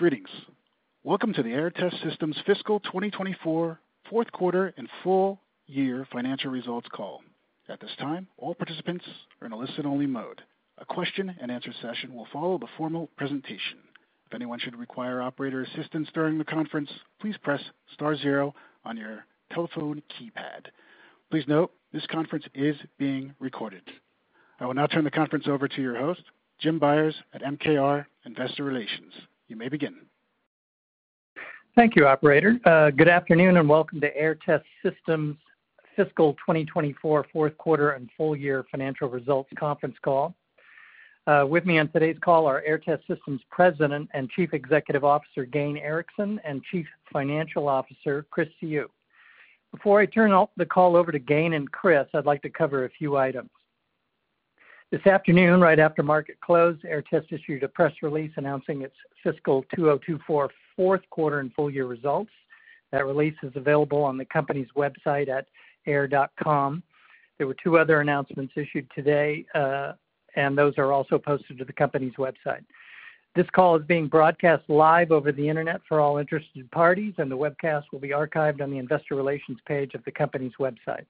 Greetings! Welcome to the Aehr Test Systems Fiscal 2024 Fourth Quarter and Full Year Financial Results call. At this time, all participants are in a listen-only mode. A question-and-answer session will follow the formal presentation. If anyone should require operator assistance during the conference, please press star zero on your telephone keypad. Please note, this conference is being recorded. I will now turn the conference over to your host, Jim Byers at MKR Investor Relations. You may begin. Thank you, operator. Good afternoon, and welcome to Aehr Test Systems' Fiscal 2024 Fourth Quarter and Full Year Financial Results Conference Call. With me on today's call are Aehr Test Systems' President and Chief Executive Officer, Gayn Erickson, and Chief Financial Officer, Chris Siu. Before I turn the call over to Gayn and Chris, I'd like to cover a few items. This afternoon, right after market close, Aehr Test issued a press release announcing its fiscal 2024 fourth quarter and full-year results. That release is available on the company's website at aehr.com. There were two other announcements issued today, and those are also posted to the company's website. This call is being broadcast live over the internet for all interested parties, and the webcast will be archived on the investor relations page of the company's website.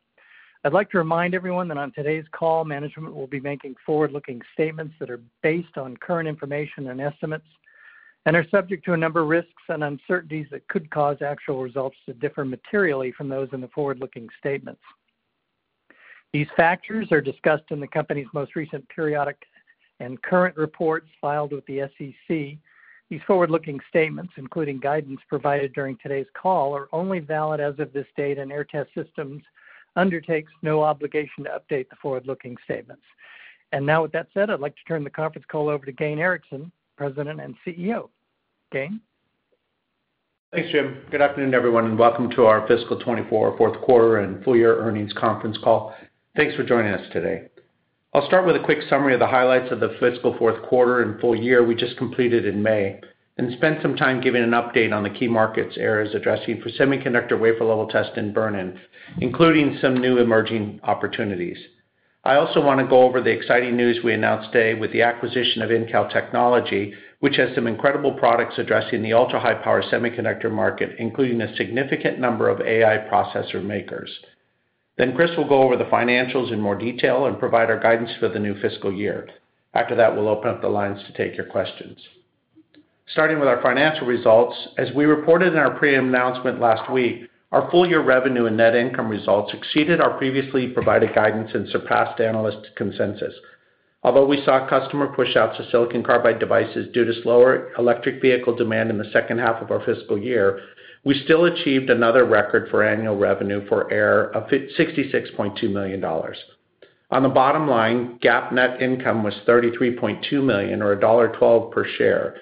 I'd like to remind everyone that on today's call, management will be making forward-looking statements that are based on current information and estimates, and are subject to a number of risks and uncertainties that could cause actual results to differ materially from those in the forward-looking statements. These factors are discussed in the company's most recent periodic and current reports filed with the SEC. These forward-looking statements, including guidance provided during today's call, are only valid as of this date, and Aehr Test Systems undertakes no obligation to update the forward-looking statements. Now, with that said, I'd like to turn the conference call over to Gayn Erickson, President and CEO. Gain? Thanks, Jim. Good afternoon, everyone, and welcome to our fiscal 2024 Fourth Quarter and Full Year Earnings Conference Call. Thanks for joining us today. I'll start with a quick summary of the highlights of the fiscal fourth quarter and full year we just completed in May, and spend some time giving an update on the key markets Aehr is addressing for semiconductor wafer level test and burn-in, including some new emerging opportunities. I also want to go over the exciting news we announced today with the acquisition of Incal Technology, which has some incredible products addressing the ultra-high power semiconductor market, including a significant number of AI processor makers. Then Chris will go over the financials in more detail and provide our guidance for the new fiscal year. After that, we'll open up the lines to take your questions. Starting with our financial results, as we reported in our preliminary announcement last week, our full year revenue and net income results exceeded our previously provided guidance and surpassed analyst consensus. Although we saw customer pushouts to silicon carbide devices due to slower electric vehicle demand in the second half of our fiscal year, we still achieved another record for annual revenue for Aehr of $66.2 million. On the bottom line, GAAP net income was $33.2 million or $1.12 per share,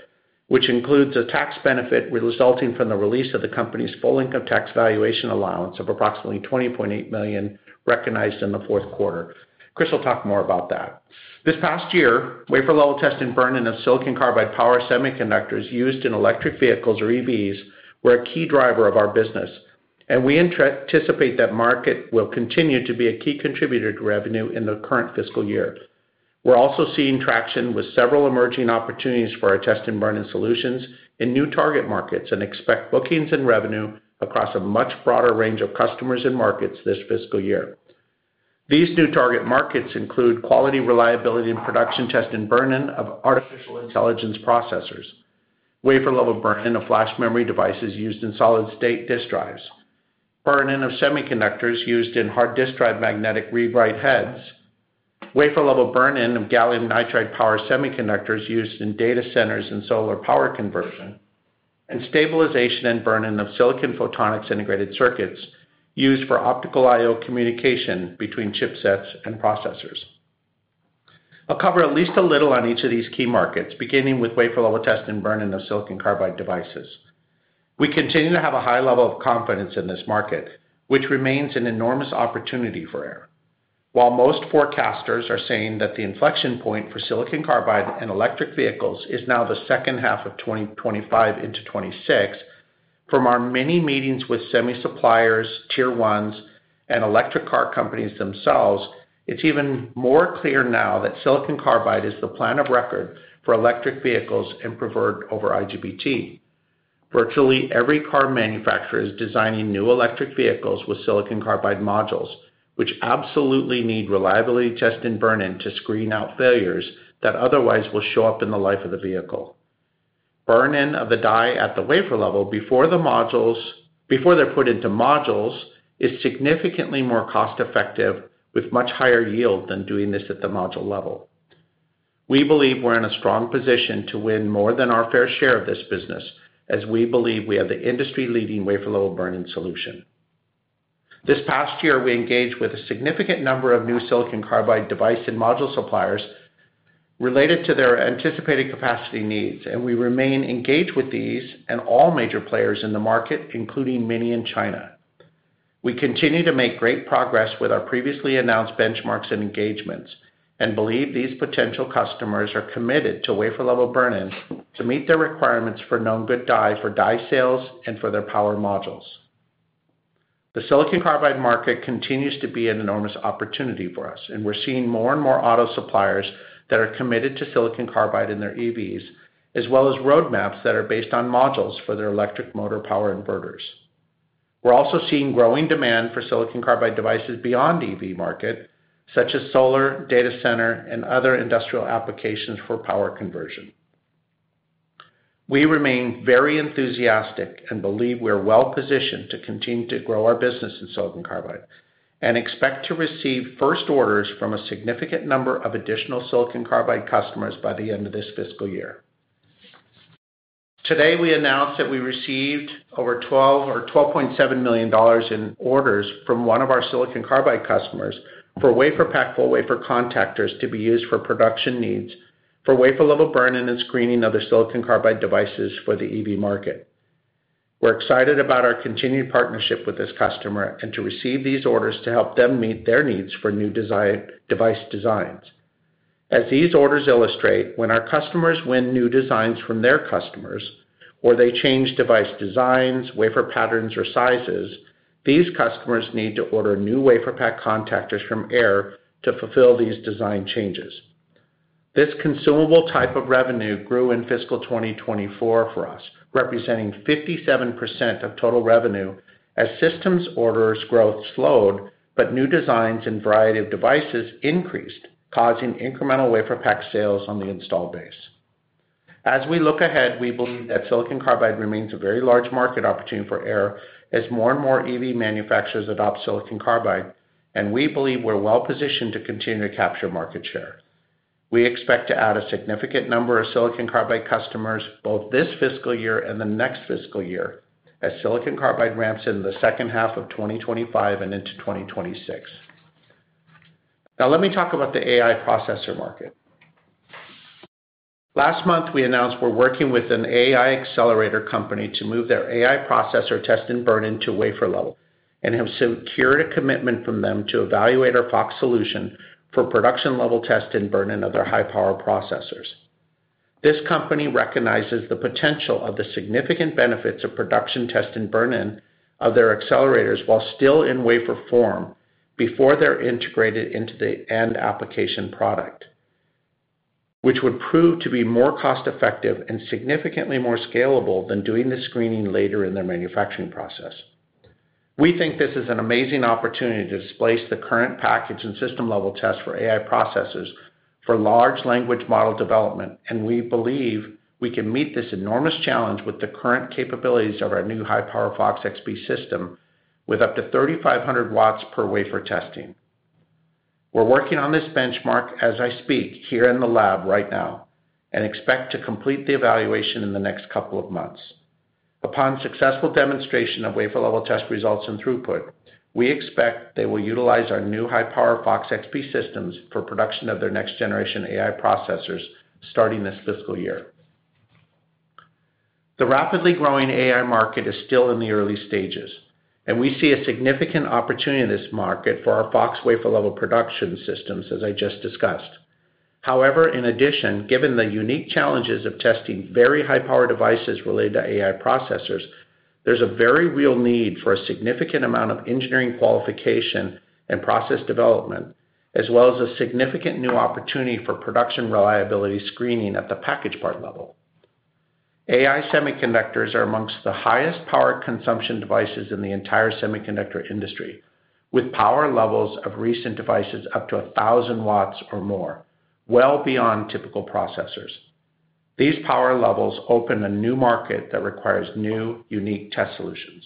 which includes a tax benefit resulting from the release of the company's full income tax valuation allowance of approximately $20.8 million, recognized in the fourth quarter. Chris will talk more about that. This past year, wafer level test and burn-in of silicon carbide power semiconductors used in electric vehicles or EVs, were a key driver of our business, and we anticipate that market will continue to be a key contributor to revenue in the current fiscal year. We're also seeing traction with several emerging opportunities for our test and burn-in solutions in new target markets, and expect bookings and revenue across a much broader range of customers and markets this fiscal year. These new target markets include quality, reliability, and production test and burn-in of artificial intelligence processors, wafer level burn-in of flash memory devices used in solid-state disk drives, burn-in of semiconductors used in hard disk drive magnetic read/write heads, wafer level burn-in of gallium nitride power semiconductors used in data centers and solar power conversion, and stabilization and burn-in of silicon photonics integrated circuits used for optical I/O communication between chipsets and processors. I'll cover at least a little on each of these key markets, beginning with wafer level test and burn-in of silicon carbide devices. We continue to have a high level of confidence in this market, which remains an enormous opportunity for Aehr. While most forecasters are saying that the inflection point for silicon carbide and electric vehicles is now the second half of 2025 into 2026, from our many meetings with semi-suppliers, Tier 1s, and electric car companies themselves, it's even more clear now that silicon carbide is the plan of record for electric vehicles and preferred over IGBT. Virtually every car manufacturer is designing new electric vehicles with silicon carbide modules, which absolutely need reliability test and burn-in to screen out failures that otherwise will show up in the life of the vehicle. Burn-in of the die at the wafer level before the modules, before they're put into modules, is significantly more cost-effective, with much higher yield than doing this at the module level. We believe we're in a strong position to win more than our fair share of this business, as we believe we have the industry-leading wafer level burn-in solution. This past year, we engaged with a significant number of new Silicon Carbide device and module suppliers related to their anticipated capacity needs, and we remain engaged with these and all major players in the market, including many in China. We continue to make great progress with our previously announced benchmarks and engagements, and believe these potential customers are committed to wafer level burn-in to meet their requirements for Known Good Die, for die sales, and for their power modules. The silicon carbide market continues to be an enormous opportunity for us, and we're seeing more and more auto suppliers that are committed to silicon carbide in their EVs, as well as roadmaps that are based on modules for their electric motor power inverters. We're also seeing growing demand for silicon carbide devices beyond EV market, such as solar, data center, and other industrial applications for power conversion. We remain very enthusiastic and believe we're well-positioned to continue to grow our business in silicon carbide, and expect to receive first orders from a significant number of additional silicon carbide customers by the end of this fiscal year. Today, we announced that we received over $12 million or $12.7 million in orders from one of our silicon carbide customers for WaferPak full wafer contactors to be used for production needs, for wafer level burn-in, and screening of the silicon carbide devices for the EV market. We're excited about our continued partnership with this customer, and to receive these orders to help them meet their needs for new device designs. As these orders illustrate, when our customers win new designs from their customers, or they change device designs, wafer patterns, or sizes, these customers need to order new WaferPak contactors from Aehr to fulfill these design changes. This consumable type of revenue grew in fiscal 2024 for us, representing 57% of total revenue as systems orders growth slowed, but new designs and variety of devices increased, causing incremental WaferPak sales on the installed base. As we look ahead, we believe that silicon carbide remains a very large market opportunity for Aehr, as more and more EV manufacturers adopt silicon carbide, and we believe we're well-positioned to continue to capture market share. We expect to add a significant number of silicon carbide customers, both this fiscal year and the next fiscal year, as silicon carbide ramps into the second half of 2025 and into 2026. Now, let me talk about the AI processor market. Last month, we announced we're working with an AI accelerator company to move their AI processor test and burn-in to wafer level, and have secured a commitment from them to evaluate our FOX solution for production-level test and burn-in of their high-power processors. This company recognizes the potential of the significant benefits of production test and burn-in of their accelerators while still in wafer form, before they're integrated into the end application product, which would prove to be more cost-effective and significantly more scalable than doing the screening later in their manufacturing process. We think this is an amazing opportunity to displace the current package and system-level test for AI processors for Large Language Model development, and we believe we can meet this enormous challenge with the current capabilities of our new high-power FOX-XP system, with up to 3,500 watts per wafer testing. We're working on this benchmark as I speak here in the lab right now, and expect to complete the evaluation in the next couple of months. Upon successful demonstration of wafer level test results and throughput, we expect they will utilize our new high-power FOX-XP systems for production of their next-generation AI processors, starting this fiscal year. The rapidly growing AI market is still in the early stages, and we see a significant opportunity in this market for our FOX wafer level production systems, as I just discussed. However, in addition, given the unique challenges of testing very high-power devices related to AI processors, there's a very real need for a significant amount of engineering qualification and process development, as well as a significant new opportunity for production reliability screening at the package part level. AI semiconductors are among the highest power consumption devices in the entire semiconductor industry, with power levels of recent devices up to 1,000 watts or more, well beyond typical processors. These power levels open a new market that requires new, unique test solutions.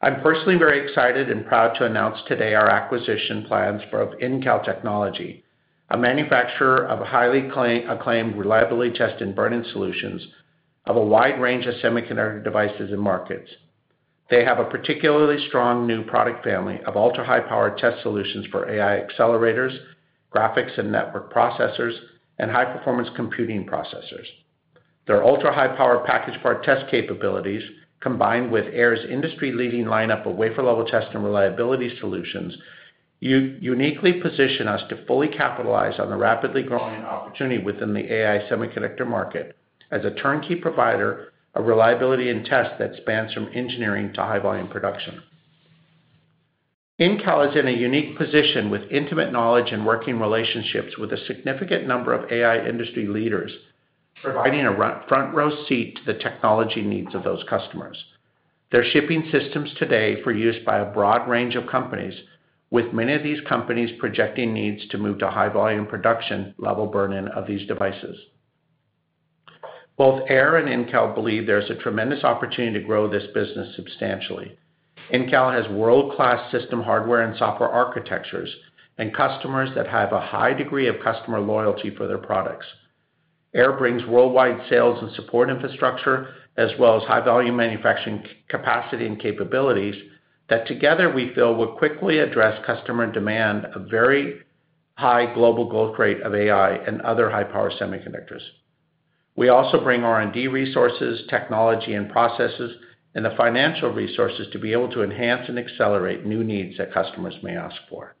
I'm personally very excited and proud to announce today our acquisition plans for Incal Technology, a manufacturer of a highly acclaimed reliability test and burn-in solutions of a wide range of semiconductor devices and markets. They have a particularly strong new product family of ultra-high-powered test solutions for AI accelerators, graphics and network processors, and high-performance computing processors. Their ultra-high-power package part test capabilities, combined with Aehr's industry-leading lineup of wafer level test and reliability solutions, uniquely position us to fully capitalize on the rapidly growing opportunity within the AI semiconductor market as a turnkey provider of reliability and test that spans from engineering to high-volume production. Incal is in a unique position with intimate knowledge and working relationships with a significant number of AI industry leaders, providing a front-row seat to the technology needs of those customers. They're shipping systems today for use by a broad range of companies, with many of these companies projecting needs to move to high-volume production level burn-in of these devices. Both Aehr and Incal believe there's a tremendous opportunity to grow this business substantially. Incal has world-class system hardware and software architectures, and customers that have a high degree of customer loyalty for their products. Aehr brings worldwide sales and support infrastructure, as well as high-volume manufacturing capacity and capabilities, that together we feel will quickly address customer demand, a very high global growth rate of AI and other high-power semiconductors. We also bring R&D resources, technology and processes, and the financial resources to be able to enhance and accelerate new needs that customers may ask for.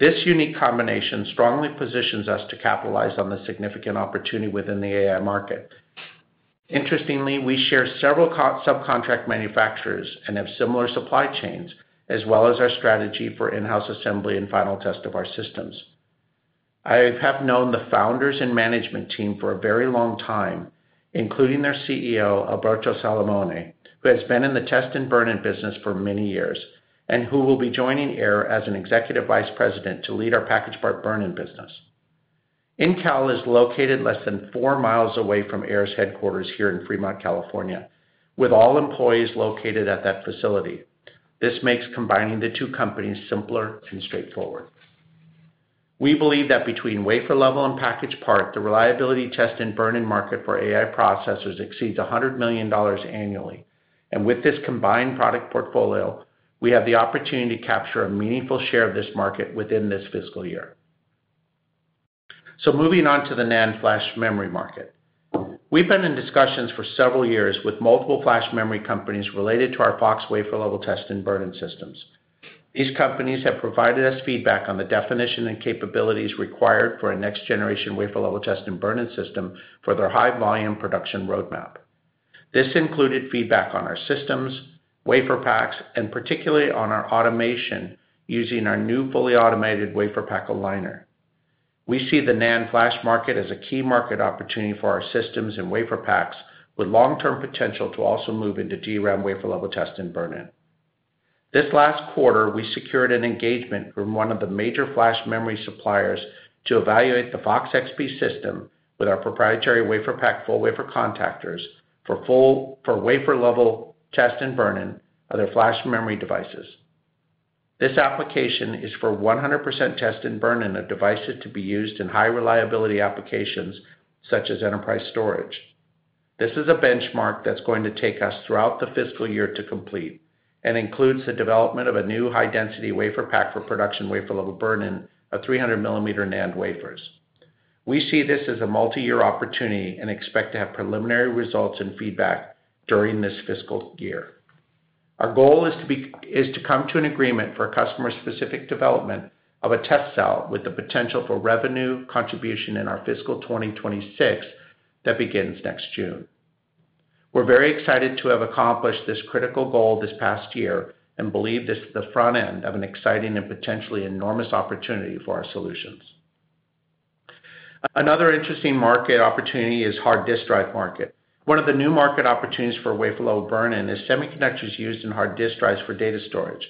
This unique combination strongly positions us to capitalize on the significant opportunity within the AI market. Interestingly, we share several co-subcontract manufacturers and have similar supply chains, as well as our strategy for in-house assembly and final test of our systems. I have known the founders and management team for a very long time, including their CEO, Alberto Salamone, who has been in the test and burn-in business for many years, and who will be joining Aehr as an executive vice president to lead our package part burn-in business. Incal is located less than four miles away from Aehr's headquarters here in Fremont, California, with all employees located at that facility. This makes combining the two companies simpler and straightforward. We believe that between wafer level and package part, the reliability test and burn-in market for AI processors exceeds $100 million annually, and with this combined product portfolio, we have the opportunity to capture a meaningful share of this market within this fiscal year. So moving on to the NAND flash memory market. We've been in discussions for several years with multiple flash memory companies related to our FOX wafer level test and burn-in systems. These companies have provided us feedback on the definition and capabilities required for a next generation wafer level test and burn-in system for their high-volume production roadmap. This included feedback on our systems, wafer packs, and particularly on our automation, using our new fully automated wafer pack aligner. We see the NAND flash market as a key market opportunity for our systems and wafer packs, with long-term potential to also move into DRAM wafer level test and burn-in. This last quarter, we secured an engagement from one of the major flash memory suppliers to evaluate the FOX-XP system with our proprietary wafer-pack full wafer contactors for full wafer level test and burn-in of their flash memory devices. This application is for 100% test and burn-in of devices to be used in high-reliability applications such as enterprise storage. This is a benchmark that's going to take us throughout the fiscal year to complete and includes the development of a new high-density WaferPak for production wafer level burn-in of 300 millimeter NAND wafers. We see this as a multi-year opportunity and expect to have preliminary results and feedback during this fiscal year. Our goal is to come to an agreement for customer-specific development of a test cell with the potential for revenue contribution in our fiscal 2026, that begins next June. We're very excited to have accomplished this critical goal this past year, and believe this is the front end of an exciting and potentially enormous opportunity for our solutions. Another interesting market opportunity is hard disk drive market. One of the new market opportunities for wafer level burn-in is semiconductors used in hard disk drives for data storage.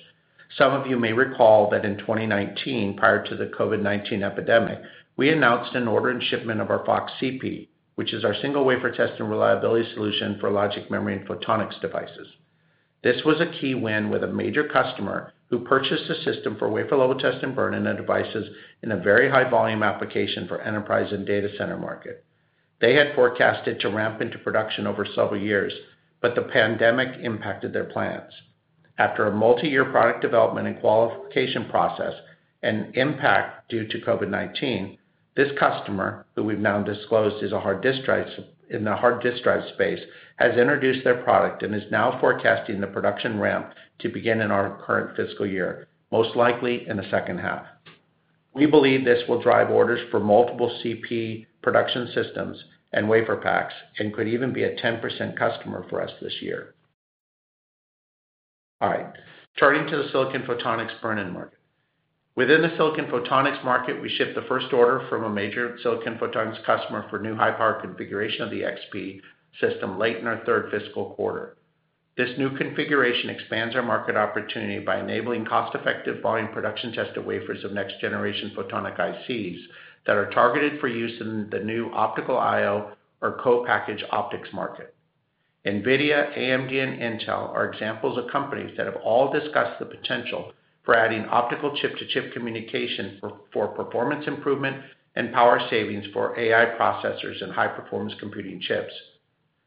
Some of you may recall that in 2019, prior to the COVID-19 epidemic, we announced an order and shipment of our FOX-CP, which is our single wafer test and reliability solution for logic, memory, and photonics devices. This was a key win with a major customer, who purchased a system for wafer level test and burn-in and devices in a very high volume application for enterprise and data center market. They had forecasted to ramp into production over several years, but the pandemic impacted their plans. After a multi-year product development and qualification process and impact due to COVID-19, this customer, who we've now disclosed, is in the hard disk drive space, has introduced their product and is now forecasting the production ramp to begin in our current fiscal year, most likely in the second half. We believe this will drive orders for multiple CP production systems and WaferPaks, and could even be a 10% customer for us this year. All right, turning to the Silicon Photonics burn-in market. Within the Silicon Photonics market, we shipped the first order from a major Silicon Photonics customer for new high-power configuration of the XP system late in our third fiscal quarter. This new configuration expands our market opportunity by enabling cost-effective volume production test of wafers of next-generation photonic ICs that are targeted for use in the new optical I/O or co-package optics market. NVIDIA, AMD, and Intel are examples of companies that have all discussed the potential for adding optical chip-to-chip communication for performance improvement and power savings for AI processors and high-performance computing chips.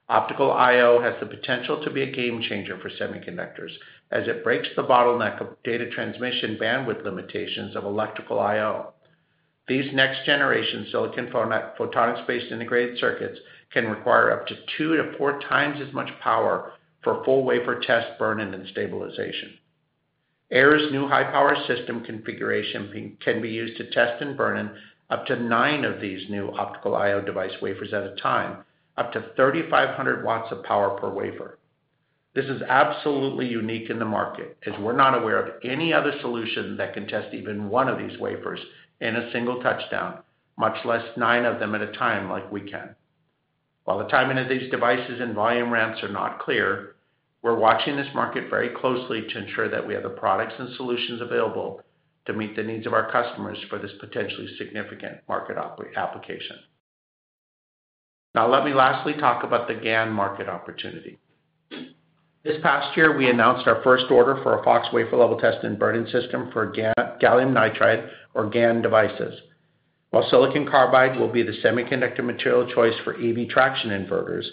Optical I/O has the potential to be a game changer for semiconductors, as it breaks the bottleneck of data transmission bandwidth limitations of electrical I/O. These next-generation silicon photonics-based integrated circuits can require up to 2-4 times as much power for full wafer test, burn-in, and stabilization. Aehr's new high-power system configuration can be used to test and burn-in up to nine of these new optical I/O device wafers at a time, up to 3,500 watts of power per wafer. This is absolutely unique in the market, as we're not aware of any other solution that can test even one of these wafers in a single touchdown, much less nine of them at a time like we can. While the timing of these devices and volume ramps are not clear, we're watching this market very closely to ensure that we have the products and solutions available to meet the needs of our customers for this potentially significant market application. Now, let me lastly talk about the GaN market opportunity. This past year, we announced our first order for a FOX wafer level test and burn-in system for gallium nitride, or GaN devices. While silicon carbide will be the semiconductor material choice for EV traction inverters,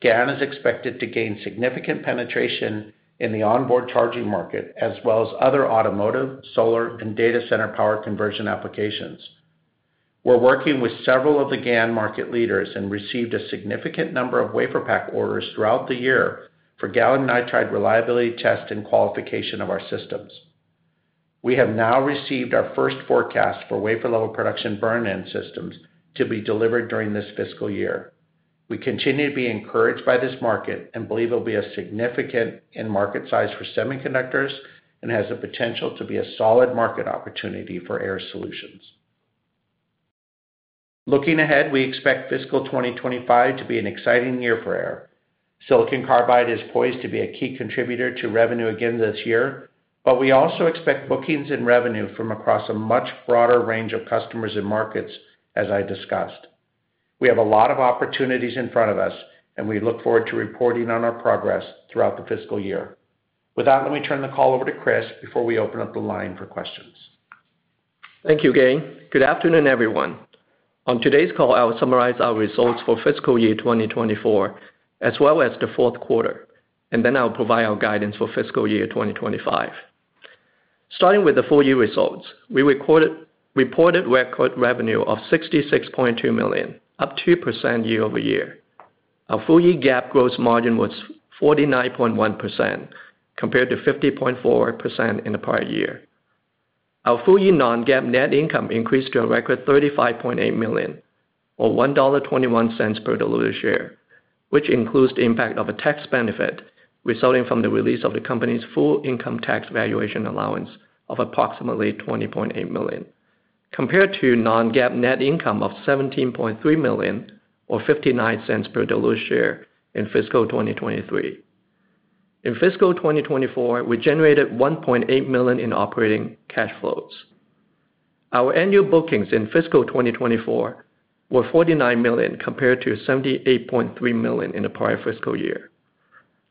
GaN is expected to gain significant penetration in the onboard charging market, as well as other automotive, solar, and data center power conversion applications. We're working with several of the GaN market leaders and received a significant number of WaferPak orders throughout the year for gallium nitride reliability test and qualification of our systems. We have now received our first forecast for wafer-level production burn-in systems to be delivered during this fiscal year. We continue to be encouraged by this market and believe it'll be a significant end market size for semiconductors, and has the potential to be a solid market opportunity for Aehr Test Systems. Looking ahead, we expect fiscal 2025 to be an exciting year for Aehr. Silicon Carbide is poised to be a key contributor to revenue again this year, but we also expect bookings and revenue from across a much broader range of customers and markets, as I discussed. We have a lot of opportunities in front of us, and we look forward to reporting on our progress throughout the fiscal year. With that, let me turn the call over to Chris before we open up the line for questions. Thank you, Gayn. Good afternoon, everyone. On today's call, I will summarize our results for fiscal year 2024, as well as the fourth quarter, and then I'll provide our guidance for fiscal year 2025. Starting with the full year results, we reported record revenue of $66.2 million, up 2% year-over-year. Our full year GAAP gross margin was 49.1%, compared to 50.4% in the prior year. Our full year non-GAAP net income increased to a record $35.8 million, or $1.21 per diluted share, which includes the impact of a tax benefit resulting from the release of the company's full income tax valuation allowance of approximately $20.8 million, compared to non-GAAP net income of $17.3 million, or $0.59 per diluted share in fiscal 2023. In fiscal 2024, we generated $1.8 million in operating cash flows. Our annual bookings in fiscal 2024 were $49 million, compared to $78.3 million in the prior fiscal year.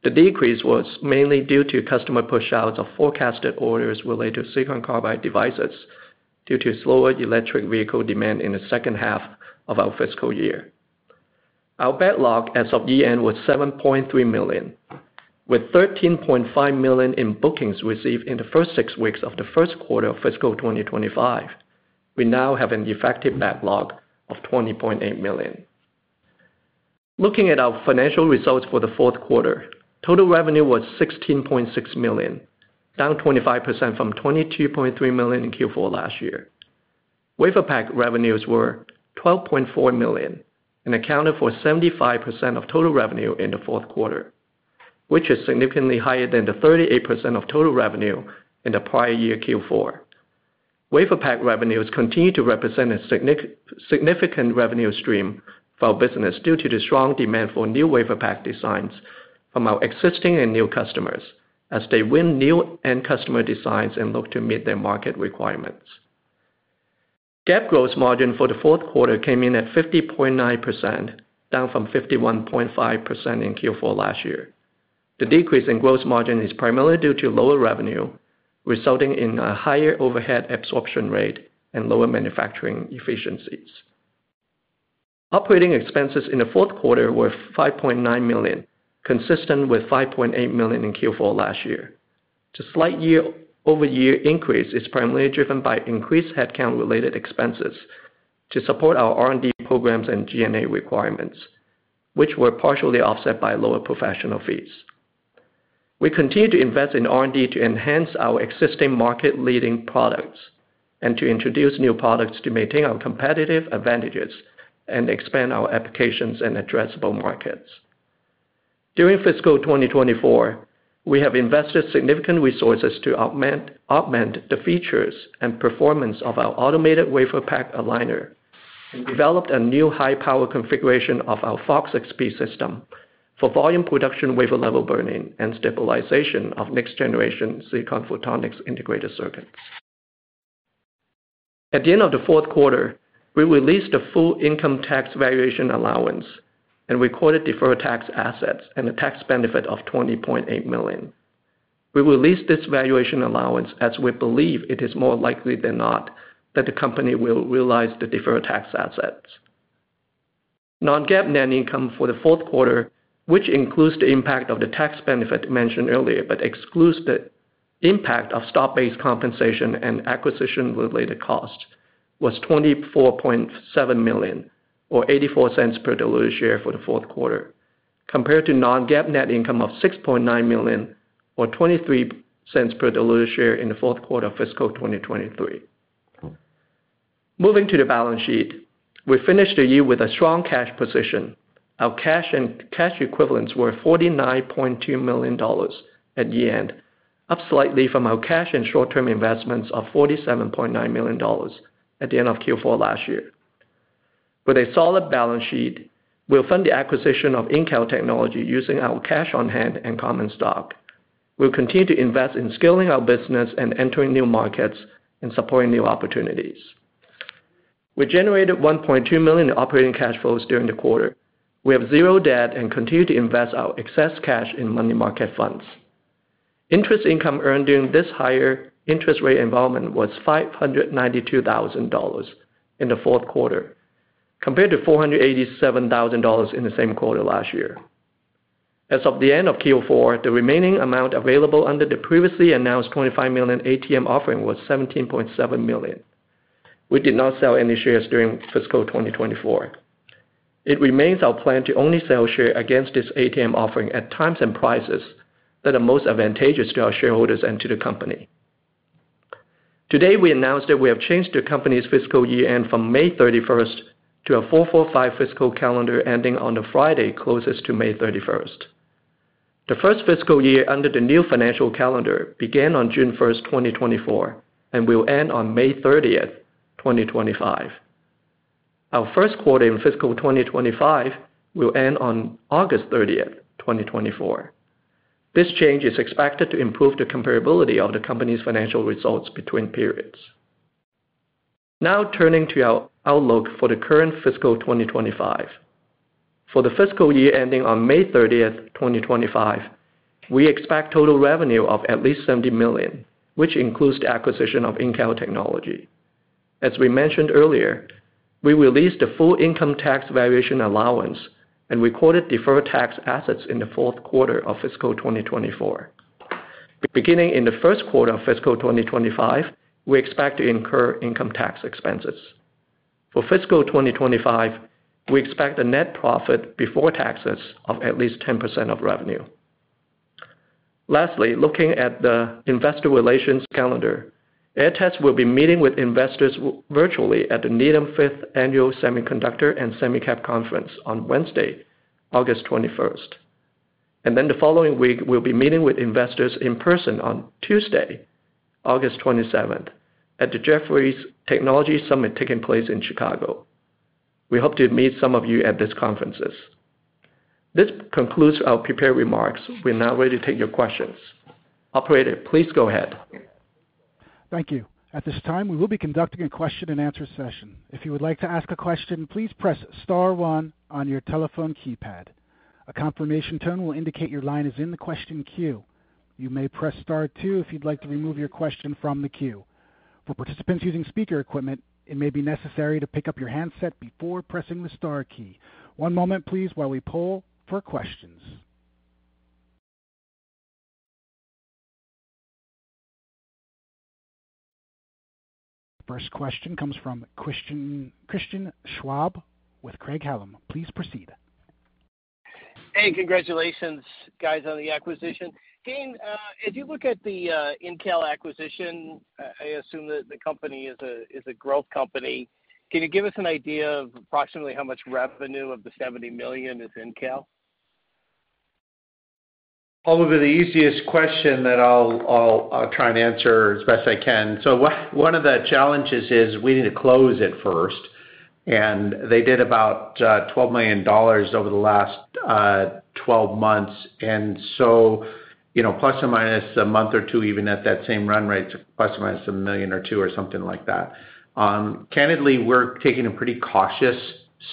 The decrease was mainly due to customer pushouts of forecasted orders related to silicon carbide devices, due to slower electric vehicle demand in the second half of our fiscal year. Our backlog as of year-end was $7.3 million, with $13.5 million in bookings received in the first six weeks of the first quarter of fiscal 2025. We now have an effective backlog of $20.8 million. Looking at our financial results for the fourth quarter, total revenue was $16.6 million, down 25% from $22.3 million in Q4 last year. WaferPak revenues were $12.4 million and accounted for 75% of total revenue in the fourth quarter, which is significantly higher than the 38% of total revenue in the prior year, Q4. WaferPak revenues continue to represent a significant revenue stream for our business, due to the strong demand for new WaferPak designs from our existing and new customers, as they win new end customer designs and look to meet their market requirements. GAAP gross margin for the fourth quarter came in at 50.9%, down from 51.5% in Q4 last year. The decrease in gross margin is primarily due to lower revenue, resulting in a higher overhead absorption rate and lower manufacturing efficiencies. Operating expenses in the fourth quarter were $5.9 million, consistent with $5.8 million in Q4 last year. The slight year-over-year increase is primarily driven by increased headcount-related expenses to support our R&D programs and G&A requirements, which were partially offset by lower professional fees. We continue to invest in R&D to enhance our existing market-leading products, and to introduce new products to maintain our competitive advantages and expand our applications and addressable markets. During fiscal 2024, we have invested significant resources to augment the features and performance of our automated WaferPak aligner and developed a new high-power configuration of our Fox-XP system for volume production, wafer-level burn-in, and stabilization of next-generation silicon photonics integrated circuits. At the end of the fourth quarter, we released a full income tax valuation allowance and recorded deferred tax assets and a tax benefit of $20.8 million. We released this valuation allowance, as we believe it is more likely than not, that the company will realize the deferred tax assets. Non-GAAP net income for the fourth quarter, which includes the impact of the tax benefit mentioned earlier, but excludes the impact of stock-based compensation and acquisition-related costs, was $24.7 million, or $0.84 per diluted share for the fourth quarter, compared to non-GAAP net income of $6.9 million, or $0.23 per diluted share in the fourth quarter of fiscal 2023. Moving to the balance sheet. We finished the year with a strong cash position. Our cash and cash equivalents were $49.2 million at year-end, up slightly from our cash and short-term investments of $47.9 million at the end of Q4 last year. With a solid balance sheet, we'll fund the acquisition of Incal Technology using our cash on hand and common stock. We'll continue to invest in scaling our business and entering new markets and supporting new opportunities. We generated $1.2 million in operating cash flows during the quarter. We have zero debt and continue to invest our excess cash in money market funds. Interest income earned during this higher interest rate environment was $592,000 in the fourth quarter, compared to $487,000 in the same quarter last year. As of the end of Q4, the remaining amount available under the previously announced $25 million ATM offering was $17.7 million. We did not sell any shares during fiscal 2024. It remains our plan to only sell share against this ATM offering at times and prices that are most advantageous to our shareholders and to the company. Today, we announced that we have changed the company's fiscal year-end from May 31 to a 4-4-5 fiscal calendar, ending on a Friday closest to May 31. The first fiscal year under the new financial calendar began on June 1, 2024, and will end on May 30, 2025. Our first quarter in fiscal 2025 will end on August 30, 2024. This change is expected to improve the comparability of the company's financial results between periods. Now, turning to our outlook for the current fiscal 2025. For the fiscal year ending on May 30, 2025, we expect total revenue of at least $70 million, which includes the acquisition of Incal Technology. As we mentioned earlier, we released a full income tax valuation allowance and recorded deferred tax assets in the fourth quarter of fiscal 2024. Beginning in the first quarter of fiscal 2025, we expect to incur income tax expenses. For fiscal 2025, we expect a net profit before taxes of at least 10% of revenue. Lastly, looking at the investor relations calendar, Aehr Test Systems will be meeting with investors virtually at the Needham Fifth Annual Semiconductor and Semicap Conference on Wednesday, August 21st. And then the following week, we'll be meeting with investors in person on Tuesday, August 27th, at the Jefferies Technology Summit, taking place in Chicago. We hope to meet some of you at these conferences. This concludes our prepared remarks. We're now ready to take your questions. Operator, please go ahead. Thank you. At this time, we will be conducting a question-and-answer session. If you would like to ask a question, please press star one on your telephone keypad. A confirmation tone will indicate your line is in the question queue. You may press star two if you'd like to remove your question from the queue. For participants using speaker equipment, it may be necessary to pick up your handset before pressing the star key. One moment, please, while we poll for questions. First question comes from Christian Schwab with Craig-Hallum. Please proceed. Hey, congratulations, guys, on the acquisition. Gayn, as you look at the Incal acquisition, I assume that the company is a growth company. Can you give us an idea of approximately how much revenue of the $70 million is Incal? Probably the easiest question that I'll try and answer as best I can. So one of the challenges is we need to close it first, and they did about $12 million over the last 12 months. And so, you know, plus or minus a month or two, even at that same run rate, plus or minus $1 million or two, or something like that. Candidly, we're taking a pretty cautious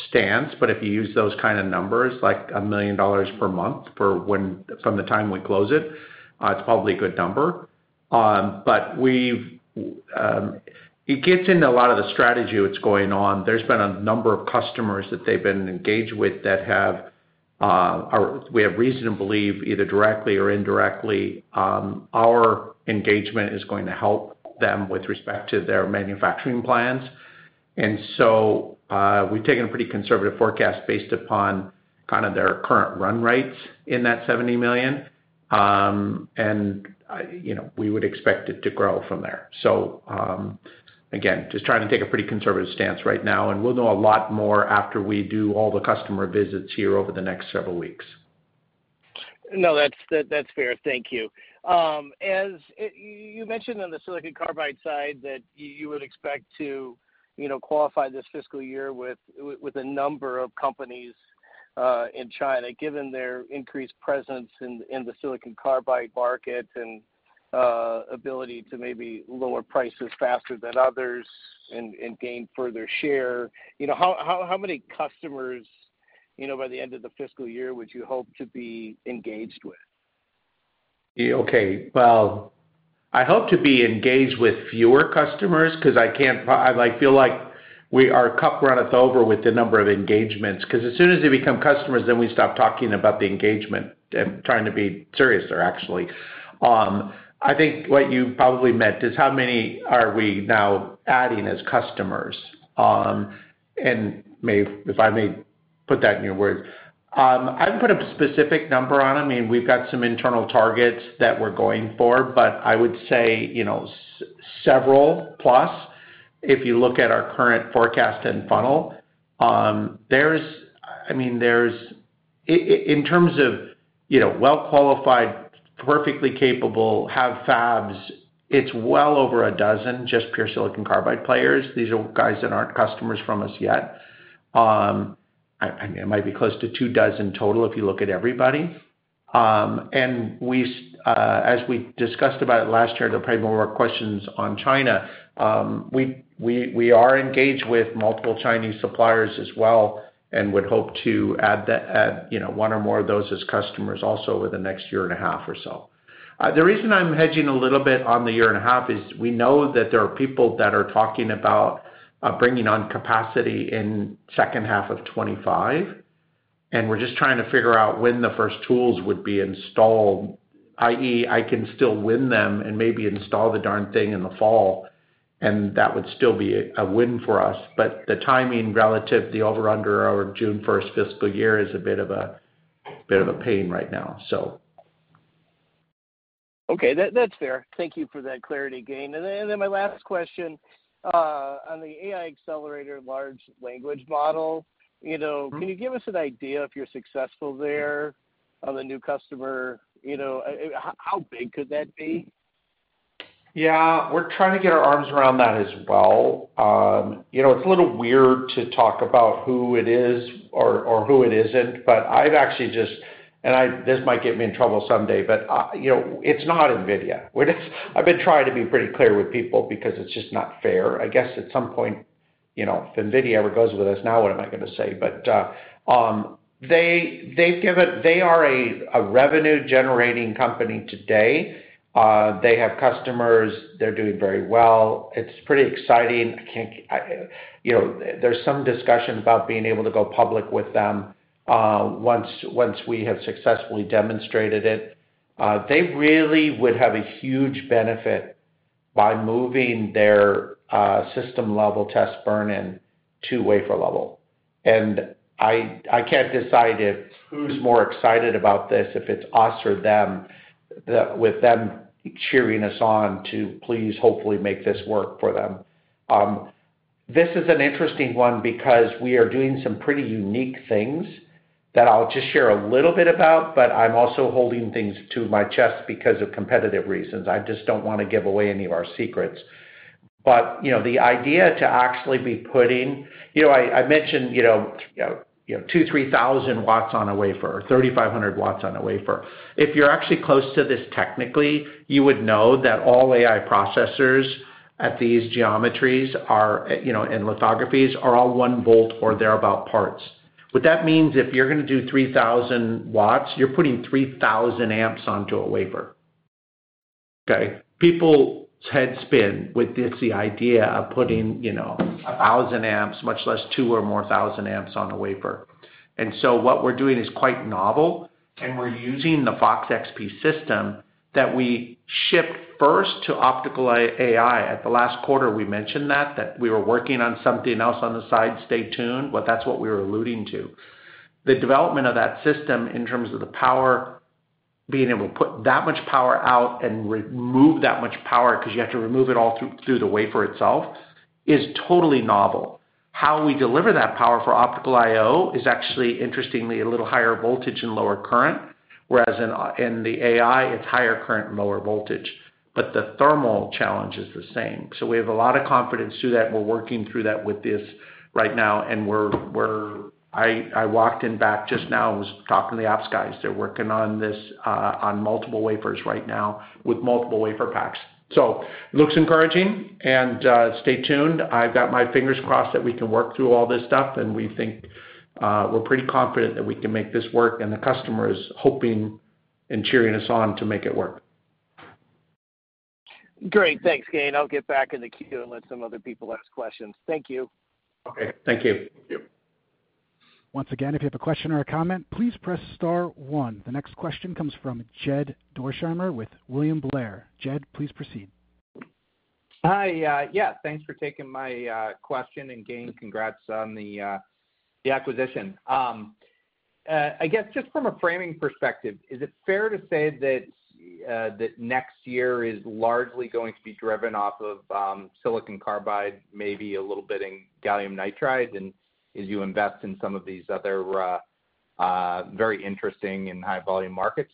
stance, but if you use those kind of numbers, like $1 million per month from the time we close it, it's probably a good number. But we've, it gets into a lot of the strategy what's going on. There's been a number of customers that they've been engaged with that have, or we have reason to believe, either directly or indirectly, our engagement is going to help them with respect to their manufacturing plans. And so, we've taken a pretty conservative forecast based upon kind of their current run rates in that $70 million. And, you know, we would expect it to grow from there. So, again, just trying to take a pretty conservative stance right now, and we'll know a lot more after we do all the customer visits here over the next several weeks. No, that's fair. Thank you. As you mentioned on the Silicon Carbide side, that you would expect to, you know, qualify this fiscal year with a number of companies in China, given their increased presence in the Silicon Carbide market and ability to maybe lower prices faster than others and gain further share. You know, how many customers, you know, by the end of the fiscal year, would you hope to be engaged with? Yeah. Okay. Well, I hope to be engaged with fewer customers, 'cause I can't I, I feel like we-- our cup runneth over with the number of engagements, 'cause as soon as they become customers, then we stop talking about the engagement. I'm trying to be serious there, actually. I think what you probably meant is, how many are we now adding as customers? And if I may put that in your words. I can put a specific number on them, I mean, we've got some internal targets that we're going for, but I would say, you know, several, plus, if you look at our current forecast and funnel. There's-- I mean, there's in terms of, you know, well-qualified, perfectly capable, have fabs, it's well over a dozen, just pure silicon carbide players. These are guys that aren't customers from us yet. I think it might be close to 24 total if you look at everybody. And we, as we discussed about it last year, there are probably more questions on China. We are engaged with multiple Chinese suppliers as well and would hope to add, you know, 1 or more of those as customers also over the next year and a half or so. The reason I'm hedging a little bit on the year and a half is we know that there are people that are talking about bringing on capacity in second half of 2025. We're just trying to figure out when the first tools would be installed, i.e., I can still win them and maybe install the darn thing in the fall, and that would still be a win for us. But the timing relative, the over under our June first fiscal year is a bit of a pain right now, so. Okay, that's fair. Thank you for that clarity, Gayn. And then, and then my last question on the AI accelerator large language model, you know- Mm-hmm. Can you give us an idea if you're successful there on the new customer? You know, how big could that be? Yeah, we're trying to get our arms around that as well. You know, it's a little weird to talk about who it is or, or who it isn't, but I've actually just-- this might get me in trouble someday, but, you know, it's not NVIDIA. We're just-- I've been trying to be pretty clear with people because it's just not fair. I guess, at some point, you know, if NVIDIA ever goes with us, now what am I gonna say? But, they are a revenue-generating company today. They have customers. They're doing very well. It's pretty exciting. I can't, you know, there's some discussion about being able to go public with them, once we have successfully demonstrated it. They really would have a huge benefit by moving their system level test burn-in to wafer level. I can't decide if who's more excited about this, if it's us or them, with them cheering us on to please, hopefully, make this work for them. This is an interesting one because we are doing some pretty unique things that I'll just share a little bit about, but I'm also holding things to my chest because of competitive reasons. I just don't wanna give away any of our secrets. But, you know, the idea to actually be putting... You know, I mentioned, you know, 2,000 watts-3,000 watts on a wafer, 3,500 watts on a wafer. If you're actually close to this technically, you would know that all AI processors at these geometries are, you know, and lithographies, are all one volt or thereabouts. What that means, if you're gonna do 3,000 watts, you're putting 3,000 amps onto a wafer, okay? People's heads spin with this, the idea of putting, you know, 1,000 amps, much less two or more thousand amps on a wafer. And so what we're doing is quite novel, and we're using the FOX-XP system that we shipped first to optical AI. At the last quarter, we mentioned that, that we were working on something else on the side, stay tuned, but that's what we were alluding to. The development of that system in terms of the power, being able to put that much power out and remove that much power, 'cause you have to remove it all through, through the wafer itself, is totally novel. How we deliver that power for optical I/O is actually, interestingly, a little higher voltage and lower current, whereas in, in the AI, it's higher current and lower voltage, but the thermal challenge is the same. So we have a lot of confidence through that, and we're working through that with this right now, and we're-- I walked in back just now, I was talking to the ops guys. They're working on this, on multiple wafers right now with multiple wafer packs. So it looks encouraging, and, stay tuned. I've got my fingers crossed that we can work through all this stuff, and we think, we're pretty confident that we can make this work, and the customer is hoping and cheering us on to make it work. Great. Thanks, Gayn. I'll get back in the queue and let some other people ask questions. Thank you. Okay, thank you. Thank you. Once again, if you have a question or a comment, please press star one. The next question comes from Jed Dorsheimer with William Blair. Jed, please proceed. Hi, yeah, thanks for taking my question, and Gayn, congrats on the acquisition. I guess just from a framing perspective, is it fair to say that next year is largely going to be driven off of silicon carbide, maybe a little bit in gallium nitride, and as you invest in some of these other very interesting and high-volume markets?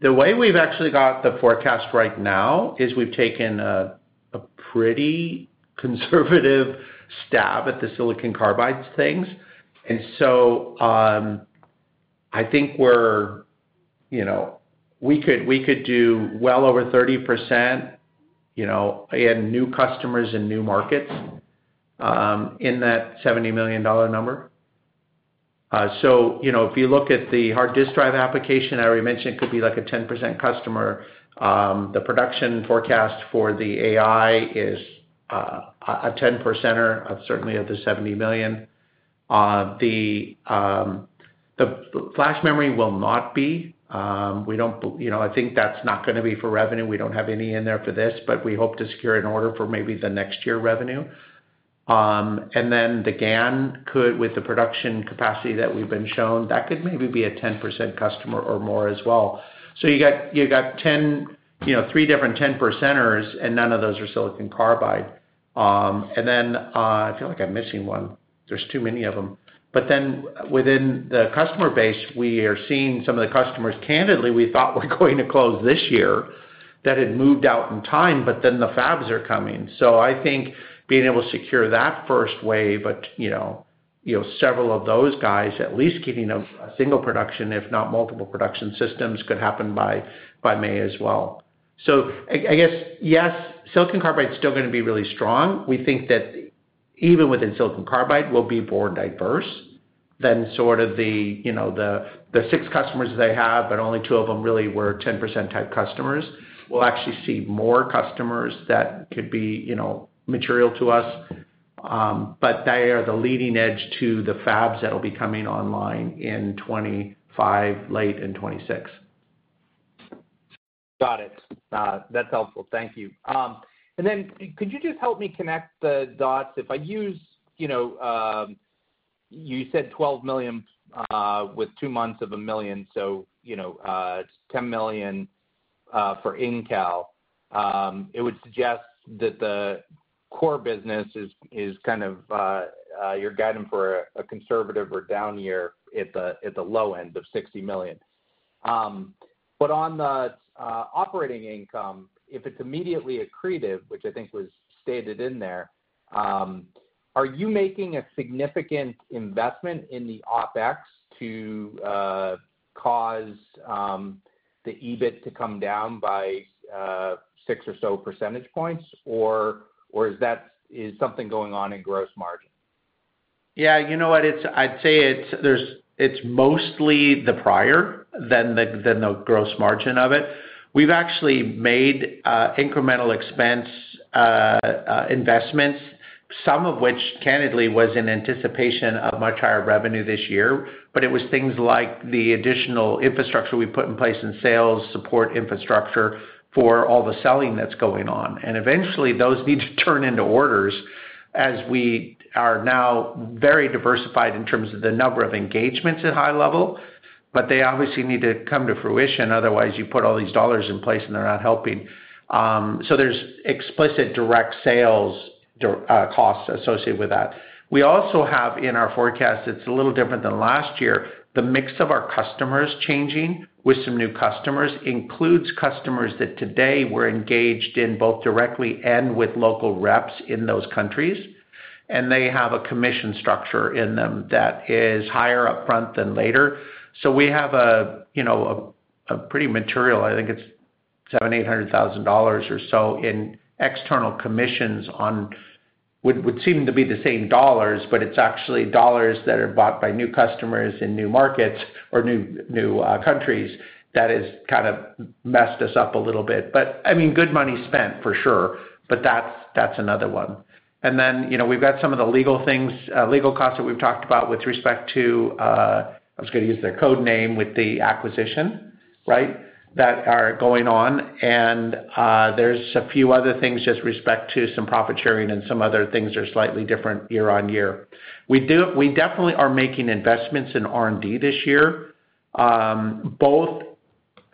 The way we've actually got the forecast right now is we've taken a pretty conservative stab at the silicon carbide things. And so, I think we're, you know, we could, we could do well over 30%, you know, and new customers and new markets, in that $70 million number. So you know, if you look at the hard disk drive application, I already mentioned it could be like a 10% customer. The production forecast for the AI is a 10-percenter, certainly of the $70 million. The flash memory will not be. We don't, you know, I think that's not gonna be for revenue. We don't have any in there for this, but we hope to secure an order for maybe the next year revenue. And then the GaN could, with the production capacity that we've been shown, that could maybe be a 10% customer or more as well. So you got, you got 10, you know, three different 10 percenters, and none of those are silicon carbide. And then, I feel like I'm missing one. There's too many of them. But then within the customer base, we are seeing some of the customers, candidly, we thought were going to close this year, that had moved out in time, but then the fabs are coming. So I think being able to secure that first wave, but, you know, you know, several of those guys, at least getting a, a single production, if not multiple production systems, could happen by, by May as well. So I, I guess, yes, silicon carbide is still gonna be really strong. We think that even within silicon carbide, we'll be more diverse than sort of, you know, the six customers they have, but only two of them really were 10% type customers. We'll actually see more customers that could be, you know, material to us, but they are the leading edge to the fabs that'll be coming online in 2025, late in 2026. Got it. That's helpful. Thank you. And then could you just help me connect the dots? If I use, you know, you said $12 million, with 2 months of $1 million, so, you know, $10 million, for Intel, it would suggest that the core business is kind of your guidance for a conservative or down year at the low end of $60 million. But on the operating income, if it's immediately accretive, which I think was stated in there, are you making a significant investment in the OpEx to cause the EBIT to come down by 6 or so percentage points? Or is that something going on in gross margin? Yeah, you know what? I'd say it's mostly the prior rather than the gross margin of it. We've actually made incremental expense investments, some of which, candidly, was in anticipation of much higher revenue this year. But it was things like the additional infrastructure we put in place in sales, support infrastructure for all the selling that's going on. And eventually, those need to turn into orders as we are now very diversified in terms of the number of engagements at high level, but they obviously need to come to fruition. Otherwise, you put all these dollars in place, and they're not helping. So there's explicit direct sales direct costs associated with that. We also have in our forecast, it's a little different than last year, the mix of our customers changing with some new customers, includes customers that today we're engaged in, both directly and with local reps in those countries, and they have a commission structure in them that is higher upfront than later. So we have, you know, a pretty material. I think it's $700,000-$800,000 or so in external commissions on what would seem to be the same dollars, but it's actually dollars that are bought by new customers in new markets or new countries that has kind of messed us up a little bit. But, I mean, good money spent, for sure, but that's another one. And then, you know, we've got some of the legal things, legal costs that we've talked about with respect to, I'm just gonna use the code name, with the acquisition, right? That are going on. And, there's a few other things with respect to some profit sharing and some other things that are slightly different year-on-year. We definitely are making investments in R&D this year, both,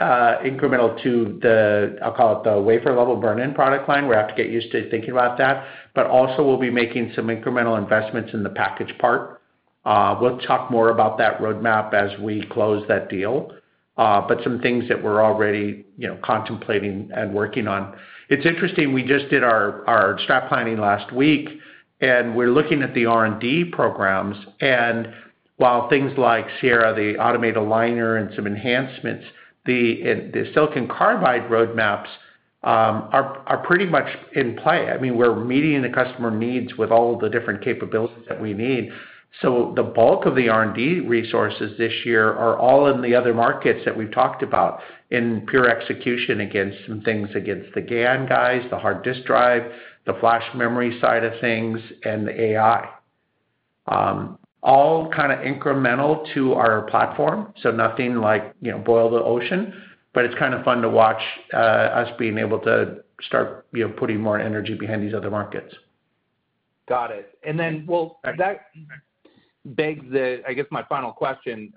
incremental to the, I'll call it, the wafer-level burn-in product line, we have to get used to thinking about that, but also we'll be making some incremental investments in the package part. We'll talk more about that roadmap as we close that deal, but some things that we're already, you know, contemplating and working on. It's interesting, we just did our strategic planning last week, and we're looking at the R&D programs. While things like Sierra, the automated aligner and some enhancements, the silicon carbide roadmaps are pretty much in play. I mean, we're meeting the customer needs with all the different capabilities that we need. So the bulk of the R&D resources this year are all in the other markets that we've talked about, in pure execution against some things, against the GaN guys, the hard disk drive, the flash memory side of things, and the AI. All kind of incremental to our platform, so nothing like, you know, boil the ocean, but it's kind of fun to watch us being able to start, you know, putting more energy behind these other markets. Got it. And then, well, that begs the, I guess, my final question.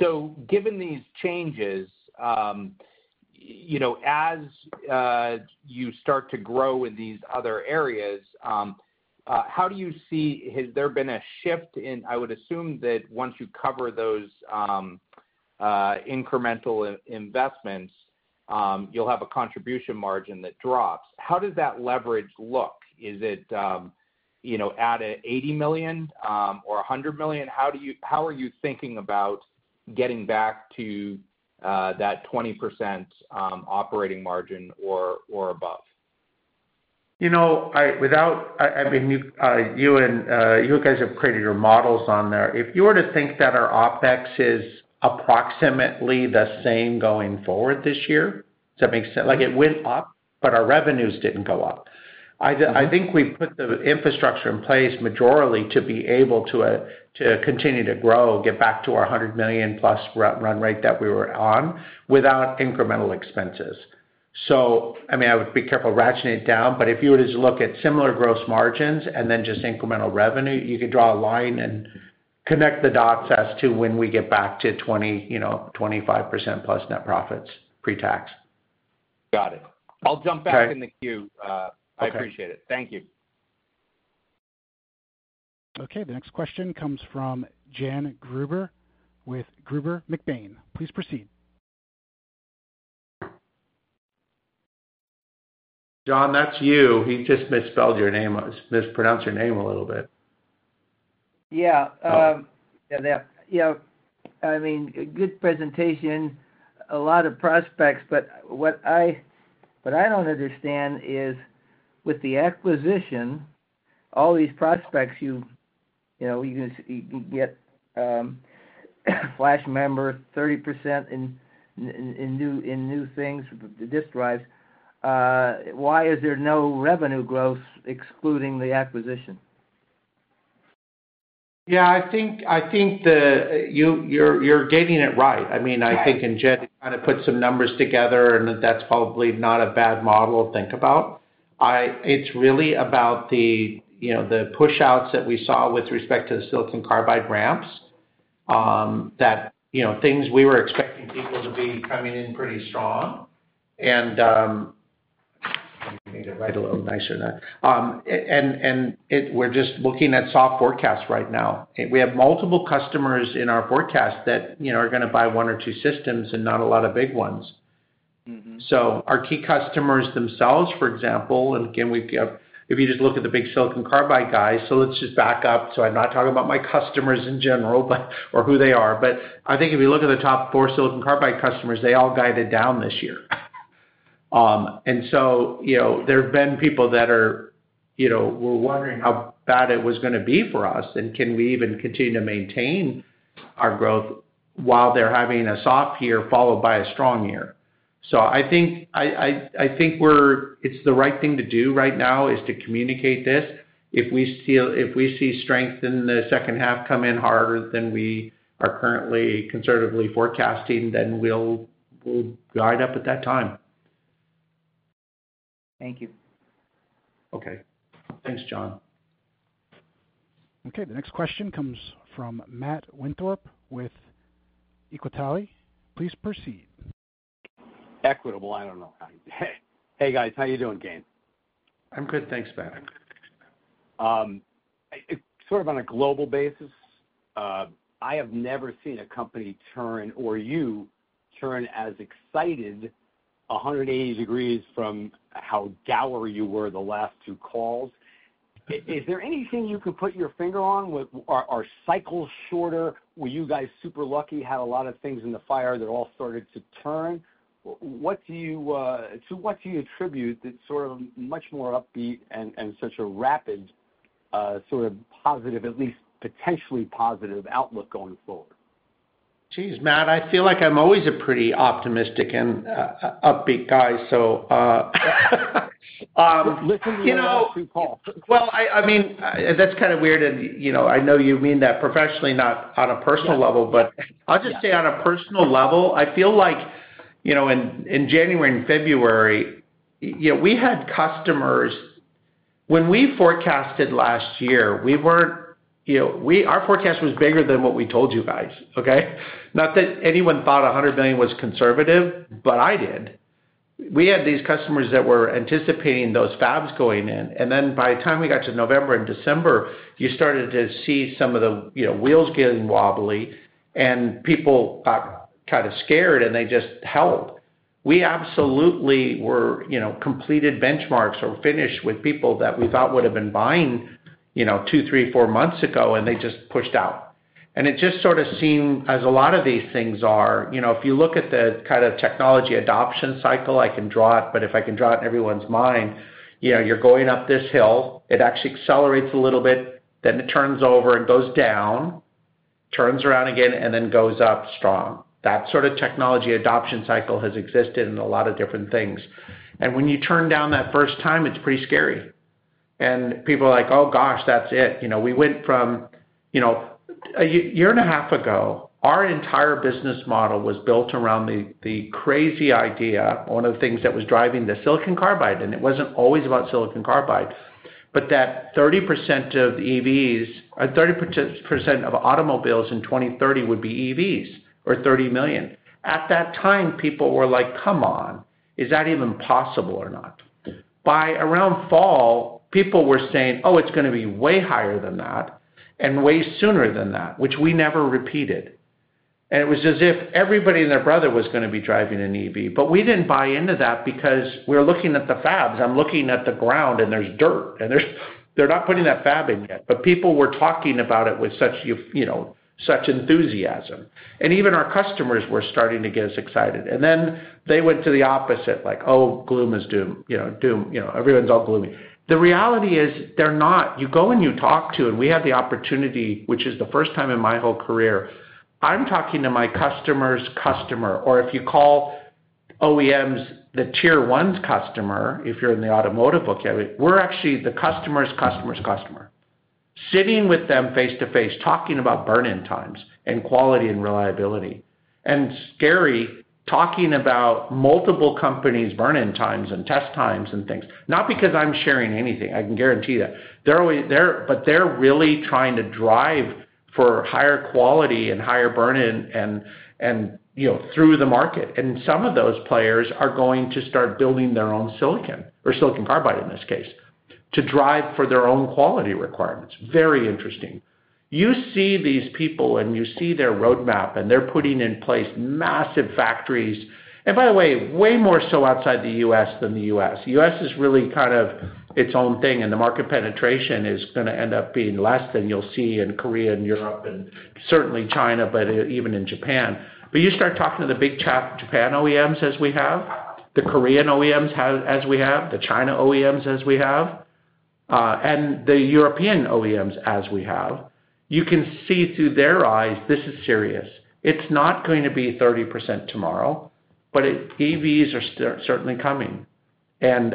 So given these changes, you know, as you start to grow in these other areas, how do you see—has there been a shift in... I would assume that once you cover those, incremental investments, you'll have a contribution margin that drops. How does that leverage look? Is it, you know, at $80 million, or $100 million? How do you—how are you thinking about getting back to, that 20%, operating margin or, or above? You know, I mean, you and you guys have created your models on there. If you were to think that our OpEx is approximately the same going forward this year, does that make sense? Like, it went up, but our revenues didn't go up. I think we've put the infrastructure in place majorly to be able to to continue to grow, get back to our $100 million-plus run rate that we were on, without incremental expenses. So I mean, I would be careful ratcheting it down, but if you were to look at similar gross margins and then just incremental revenue, you could draw a line and connect the dots as to when we get back to 20, you know, 25% plus net profits, pre-tax. Got it. Okay. I'll jump back in the queue. Okay. I appreciate it. Thank you. Okay, the next question comes from Jon Gruber with Gruber & McBaine. Please proceed. Jon, that's you. He just misspelled your name, mispronounced your name a little bit. Yeah, um- Oh. Yeah, yeah. You know, I mean, a good presentation, a lot of prospects, but what I don't understand is, with the acquisition, all these prospects, you know, you get flash memory 30% in new things, the disk drives. Why is there no revenue growth excluding the acquisition? Yeah, I think you're getting it right. I mean, I think and Jed kind of put some numbers together, and that's probably not a bad model to think about. It's really about the, you know, the push-outs that we saw with respect to the silicon carbide ramps, that, you know, things we were expecting people to be coming in pretty strong. And let me make it right a little nicer than that. And we're just looking at soft forecasts right now. We have multiple customers in our forecast that, you know, are gonna buy one or two systems and not a lot of big ones. Mm-hmm. So our key customers themselves, for example, and again, we've got, if you just look at the big silicon carbide guys, so let's just back up, so I'm not talking about my customers in general, but or who they are. But I think if you look at the top four silicon carbide customers, they all guided down this year. And so, you know, there have been people that are, you know, were wondering how bad it was gonna be for us, and can we even continue to maintain our growth while they're having a soft year, followed by a strong year? So I think, I think we're, it's the right thing to do right now, is to communicate this. If we see strength in the second half come in harder than we are currently conservatively forecasting, then we'll guide up at that time. Thank you. Okay. Thanks, Jon. Okay, the next question comes from Matt Winthrop with Equitable. Please proceed. Equitable, I don't know. Hey, guys. How you doing, Gayn? I'm good, thanks, Matt. Sort of on a global basis, I have never seen a company turn, or you turn as excited 180 degrees from how dour you were the last two calls. Is there anything you can put your finger on? Are cycles shorter? Were you guys super lucky, had a lot of things in the fire that all started to turn? What do you, so what do you attribute that sort of much more upbeat and such a rapid sort of positive, at least potentially positive outlook going forward? Geez, Matt, I feel like I'm always a pretty optimistic and upbeat guy, so you know- Listen to the last two calls. Well, I mean, that's kind of weird, and you know, I know you mean that professionally, not on a personal level. Yeah. But I'll just say, on a personal level, I feel like, you know, in January and February, you know, we had customers... When we forecasted last year, we weren't, you know, our forecast was bigger than what we told you guys, okay? Not that anyone thought $100 million was conservative, but I did. We had these customers that were anticipating those fabs going in, and then by the time we got to November and December, you started to see some of the, you know, wheels getting wobbly, and people got kind of scared, and they just held. We absolutely were, you know, completed benchmarks or finished with people that we thought would've been buying, you know, two, three, four months ago, and they just pushed out. It just sort of seemed, as a lot of these things are, you know, if you look at the kind of technology adoption cycle, I can draw it, but if I can draw it in everyone's mind, you know, you're going up this hill, it actually accelerates a little bit, then it turns over and goes down, turns around again, and then goes up strong. That sort of technology adoption cycle has existed in a lot of different things. And when you turn down that first time, it's pretty scary. And people are like, "Oh, gosh, that's it." You know, we went from... You know, a year and a half ago, our entire business model was built around the crazy idea, one of the things that was driving the silicon carbide, and it wasn't always about silicon carbide, but that 30% of EVs, or 30% of automobiles in 2030 would be EVs, or 30 million. At that time, people were like: Come on, is that even possible or not? By around fall, people were saying: Oh, it's gonna be way higher than that, and way sooner than that, which we never repeated. And it was as if everybody and their brother was gonna be driving an EV, but we didn't buy into that because we're looking at the fabs. I'm looking at the ground, and there's dirt, and they're not putting that fab in yet. But people were talking about it with such, you know, such enthusiasm, and even our customers were starting to get as excited. And then they went to the opposite, like, oh, gloom is doom, you know, doom, you know, everyone's all gloomy. The reality is, they're not. You go and you talk to, and we have the opportunity, which is the first time in my whole career, I'm talking to my customer's customer, or if you call OEMs, the tier one's customer, if you're in the automotive book. We're actually the customer's customer's customer. Sitting with them face to face, talking about burn-in times and quality and reliability, and scary, talking about multiple companies' burn-in times and test times and things. Not because I'm sharing anything, I can guarantee that. They're, but they're really trying to drive for higher quality and higher burn-in and, you know, through the market. And some of those players are going to start building their own silicon, or silicon carbide in this case, to drive for their own quality requirements. Very interesting. You see these people, and you see their roadmap, and they're putting in place massive factories. And by the way, way more so outside the U.S. than the U.S. U.S. is really kind of its own thing, and the market penetration is gonna end up being less than you'll see in Korea and Europe and certainly China, but even in Japan. But you start talking to the big chap, Japan OEMs, as we have, the Korean OEMs as we have, the China OEMs as we have. And the European OEMs as we have, you can see through their eyes, this is serious. It's not going to be 30% tomorrow, but it—EVs are certainly coming. And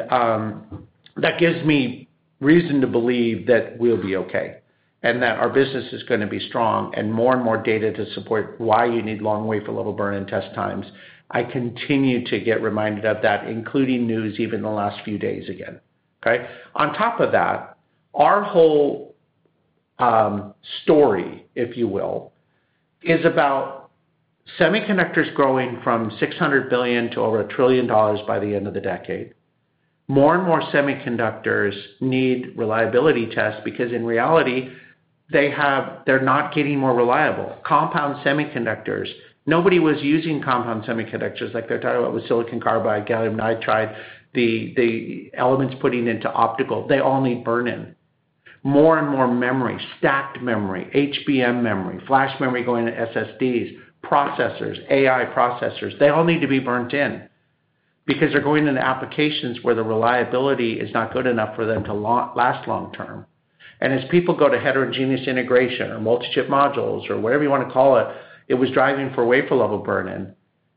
that gives me reason to believe that we'll be okay, and that our business is gonna be strong, and more and more data to support why you need long wafer level burn-in test times. I continue to get reminded of that, including news even in the last few days again, okay? On top of that, our whole story, if you will, is about semiconductors growing from $600 billion to over $1 trillion by the end of the decade. More and more semiconductors need reliability tests, because in reality, they have—they're not getting more reliable. Compound semiconductors. Nobody was using compound semiconductors, like they're talking about with silicon carbide, gallium nitride, the elements putting into optical. They all need burn-in. More and more memory, stacked memory, HBM memory, flash memory going to SSDs, processors, AI processors, they all need to be burnt in. Because they're going into applications where the reliability is not good enough for them to last long term. And as people go to heterogeneous integration or multi-chip modules or whatever you wanna call it, it was driving for wafer level burn-in,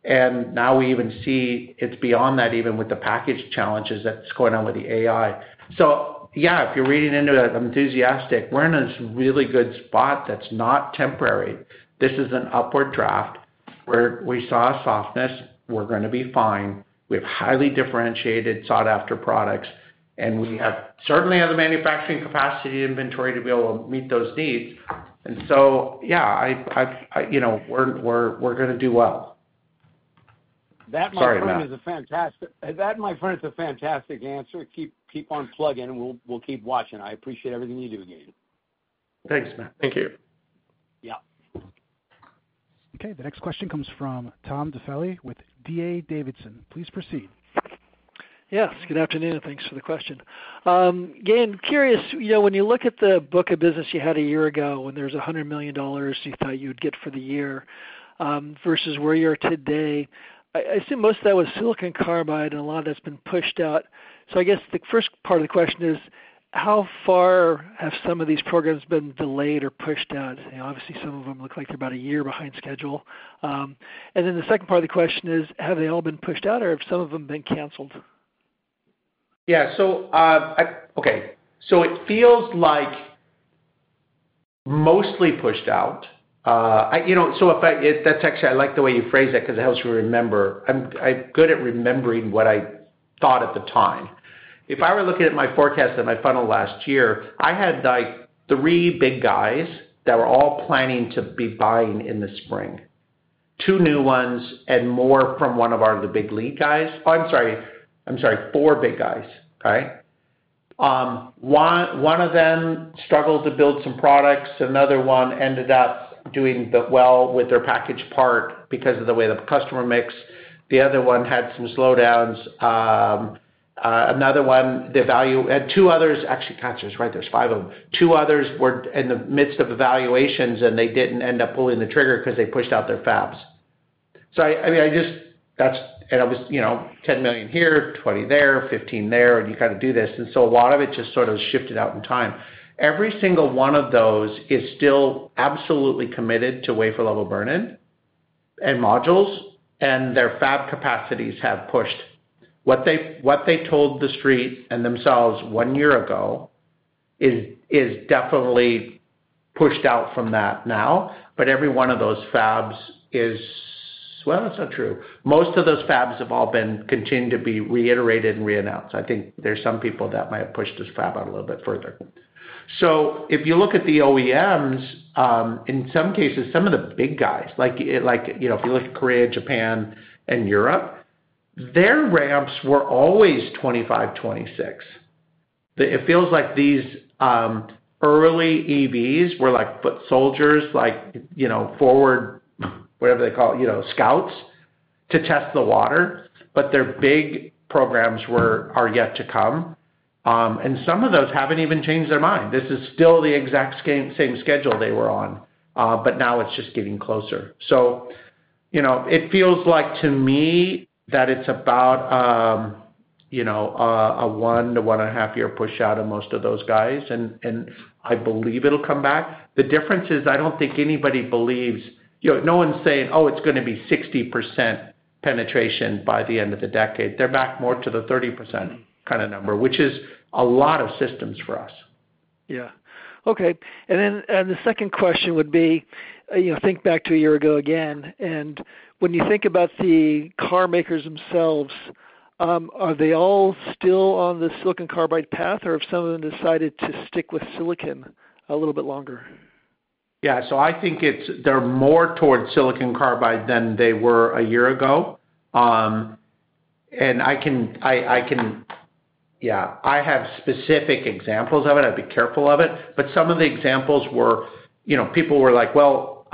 and now we even see it's beyond that, even with the package challenges that's going on with the AI. So yeah, if you're reading into it, I'm enthusiastic. We're in a really good spot that's not temporary. This is an upward draft where we saw a softness, we're gonna be fine. We have highly differentiated, sought-after products, and we certainly have the manufacturing capacity inventory to be able to meet those needs. And so, yeah, you know, we're gonna do well. That, my friend, is a fantastic- Sorry about that. That, my friend, is a fantastic answer. Keep, keep on plugging, and we'll, we'll keep watching. I appreciate everything you do again. Thanks, Matt. Thank you. Yeah. Okay, the next question comes from Tom Diffely with D.A. Davidson. Please proceed. Yes, good afternoon, and thanks for the question. Gayn, curious, you know, when you look at the book of business you had a year ago, when there was $100 million you thought you'd get for the year, versus where you are today, I assume most of that was silicon carbide, and a lot of that's been pushed out. So I guess the first part of the question is: How far have some of these programs been delayed or pushed out? Obviously, some of them look like they're about a year behind schedule. And then the second part of the question is: Have they all been pushed out, or have some of them been canceled? Yeah, so okay, so it feels like mostly pushed out. You know, so if I, that's actually, I like the way you phrased it, 'cause it helps me remember. I'm good at remembering what I thought at the time. If I were looking at my forecast and my funnel last year, I had, like, three big guys that were all planning to be buying in the spring. Two new ones, and more from one of our, the big league guys. I'm sorry, four big guys, okay? One of them struggled to build some products. Another one ended up doing well with their package part because of the way the customer mix. The other one had some slowdowns. Another one, and two others. Actually, that's right, there's five of them. Two others were in the midst of evaluations, and they didn't end up pulling the trigger 'cause they pushed out their fabs. So, I mean, that's, and I was, you know, $10 million here, $20 million there, $15 million there, and you kind of do this, and so a lot of it just sort of shifted out in time. Every single one of those is still absolutely committed to wafer level burn-in and modules, and their fab capacities have pushed. What they told the street and themselves one year ago is definitely pushed out from that now, but every one of those fabs is... Well, that's not true. Most of those fabs have all been continuing to be reiterated and reannounced. I think there's some people that might have pushed this fab out a little bit further. So if you look at the OEMs, in some cases, some of the big guys, like, like, you know, if you look at Korea, Japan and Europe, their ramps were always 2025, 2026. It feels like these early EVs were like foot soldiers, like, you know, forward, whatever they call it, you know, scouts, to test the water, but their big programs are yet to come. And some of those haven't even changed their mind. This is still the exact same, same schedule they were on, but now it's just getting closer. So, you know, it feels like to me, that it's about, you know, a one to one and a half year push out of most of those guys, and, and I believe it'll come back. The difference is, I don't think anybody believes, you know, no one's saying, "Oh, it's gonna be 60% penetration by the end of the decade." They're back more to the 30% kind of number, which is a lot of systems for us. Yeah. Okay, and then, and the second question would be, you know, think back to a year ago again, and when you think about the car makers themselves, are they all still on the silicon carbide path, or have some of them decided to stick with Silicon a little bit longer? Yeah. So I think it's they’re more towards silicon carbide than they were a year ago. And I can. Yeah, I have specific examples of it. I'd be careful of it, but some of the examples were, you know, people were like, well,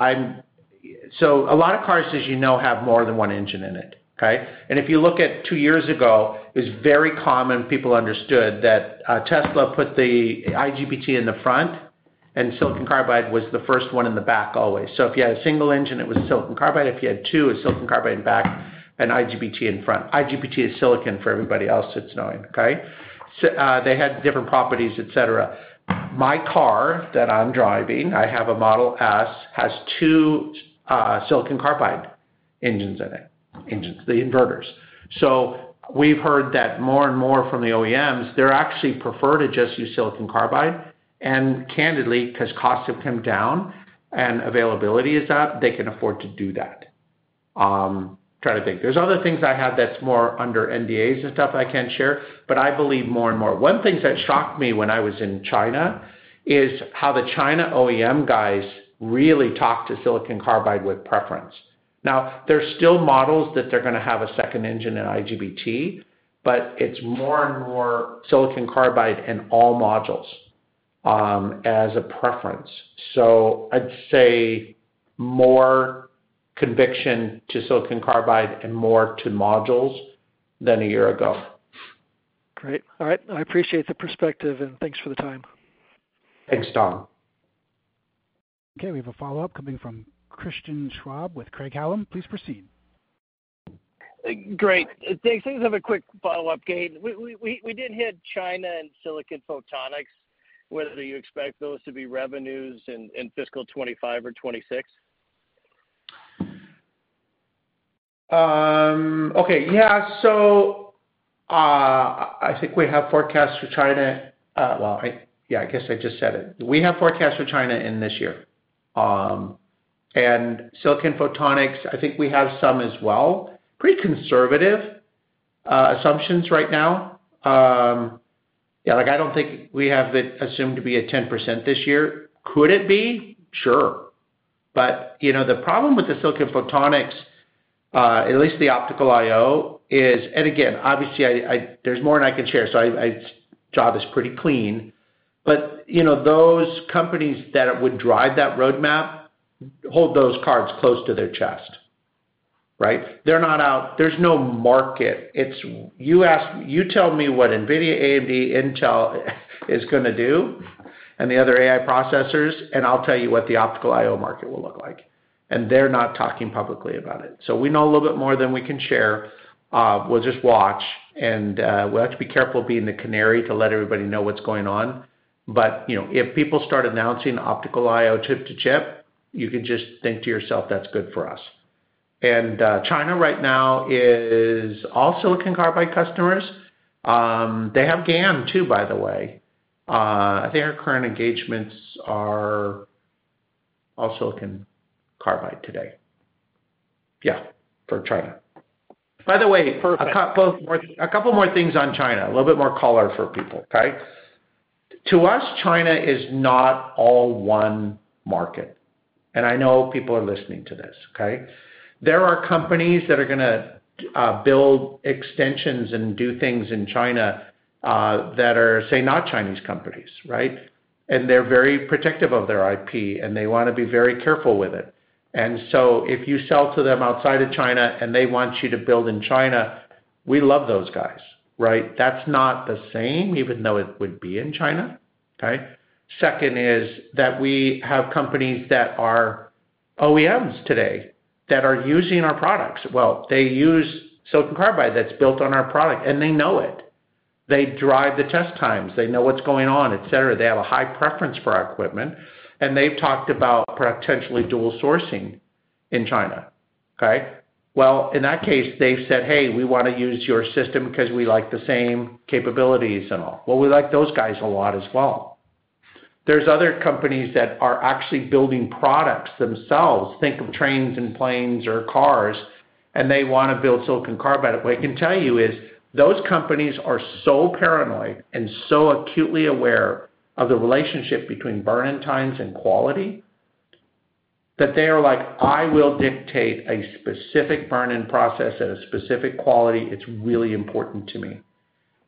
so a lot of cars, as you know, have more than one engine in it, okay? And if you look at two years ago, it was very common, people understood that, Tesla put the IGBT in the front and silicon carbide was the first one in the back always. So if you had a single engine, it was silicon carbide. If you had two, a silicon carbide in back and IGBT in front. IGBT is silicon for everybody else that's not knowing, okay? So, they had different properties, et cetera. My car that I'm driving, I have a Model S, has two silicon carbide engines in it. Engines, the inverters. So we've heard that more and more from the OEMs, they actually prefer to just use silicon carbide, and candidly, 'cause costs have come down and availability is up, they can afford to do that. Trying to think. There's other things I have that's more under NDAs and stuff I can't share, but I believe more and more. One things that shocked me when I was in China, is how the China OEM guys really talked to silicon carbide with preference. Now, there's still models that they're gonna have a second engine in IGBT, but it's more and more silicon carbide in all modules, as a preference. So I'd say more conviction to silicon carbide and more to modules than a year ago. Great. All right. I appreciate the perspective, and thanks for the time. Thanks, Tom. Okay, we have a follow-up coming from Christian Schwab with Craig-Hallum. Please proceed. Great. Thanks. I just have a quick follow-up, Gayn. We did hit China and Silicon Photonics. Whether you expect those to be revenues in fiscal 2025 or 2026? Okay. Yeah, so, I think we have forecasts for China. Well, yeah, I guess I just said it. We have forecasts for China this year. And silicon photonics, I think we have some as well. Pretty conservative assumptions right now. Yeah, like, I don't think we have it assumed to be 10% this year. Could it be? Sure. But, you know, the problem with the silicon photonics, at least the optical I/O, is... And again, obviously, there's more than I can share, so I – job is pretty clean. But, you know, those companies that would drive that roadmap, hold those cards close to their chest, right? They're not out – there's no market. You tell me what NVIDIA, AMD, Intel is gonna do and the other AI processors, and I'll tell you what the optical I/O market will look like. And they're not talking publicly about it. So we know a little bit more than we can share. We'll just watch, and we'll have to be careful being the canary to let everybody know what's going on. But, you know, if people start announcing optical I/O chip-to-chip, you can just think to yourself, "That's good for us." And, China right now is all silicon carbide customers. They have GaN, too, by the way. Their current engagements are all silicon carbide today. Yeah, for China. By the way- Perfect. A couple more things on China, a little bit more color for people, okay? To us, China is not all one market, and I know people are listening to this, okay? There are companies that are gonna build extensions and do things in China that are, say, not Chinese companies, right? And they're very protective of their IP, and they wanna be very careful with it. And so if you sell to them outside of China and they want you to build in China, we love those guys, right? That's not the same, even though it would be in China, okay? Second is that we have companies that are OEMs today, that are using our products. Well, they use silicon carbide that's built on our product, and they know it. They drive the test times. They know what's going on, et cetera. They have a high preference for our equipment, and they've talked about potentially dual sourcing in China, okay? Well, in that case, they've said, "Hey, we wanna use your system because we like the same capabilities and all." Well, we like those guys a lot as well. There's other companies that are actually building products themselves, think of trains and planes or cars, and they wanna build silicon carbide. What I can tell you is those companies are so paranoid and so acutely aware of the relationship between burn-in times and quality, that they are like, "I will dictate a specific burn-in process at a specific quality. It's really important to me,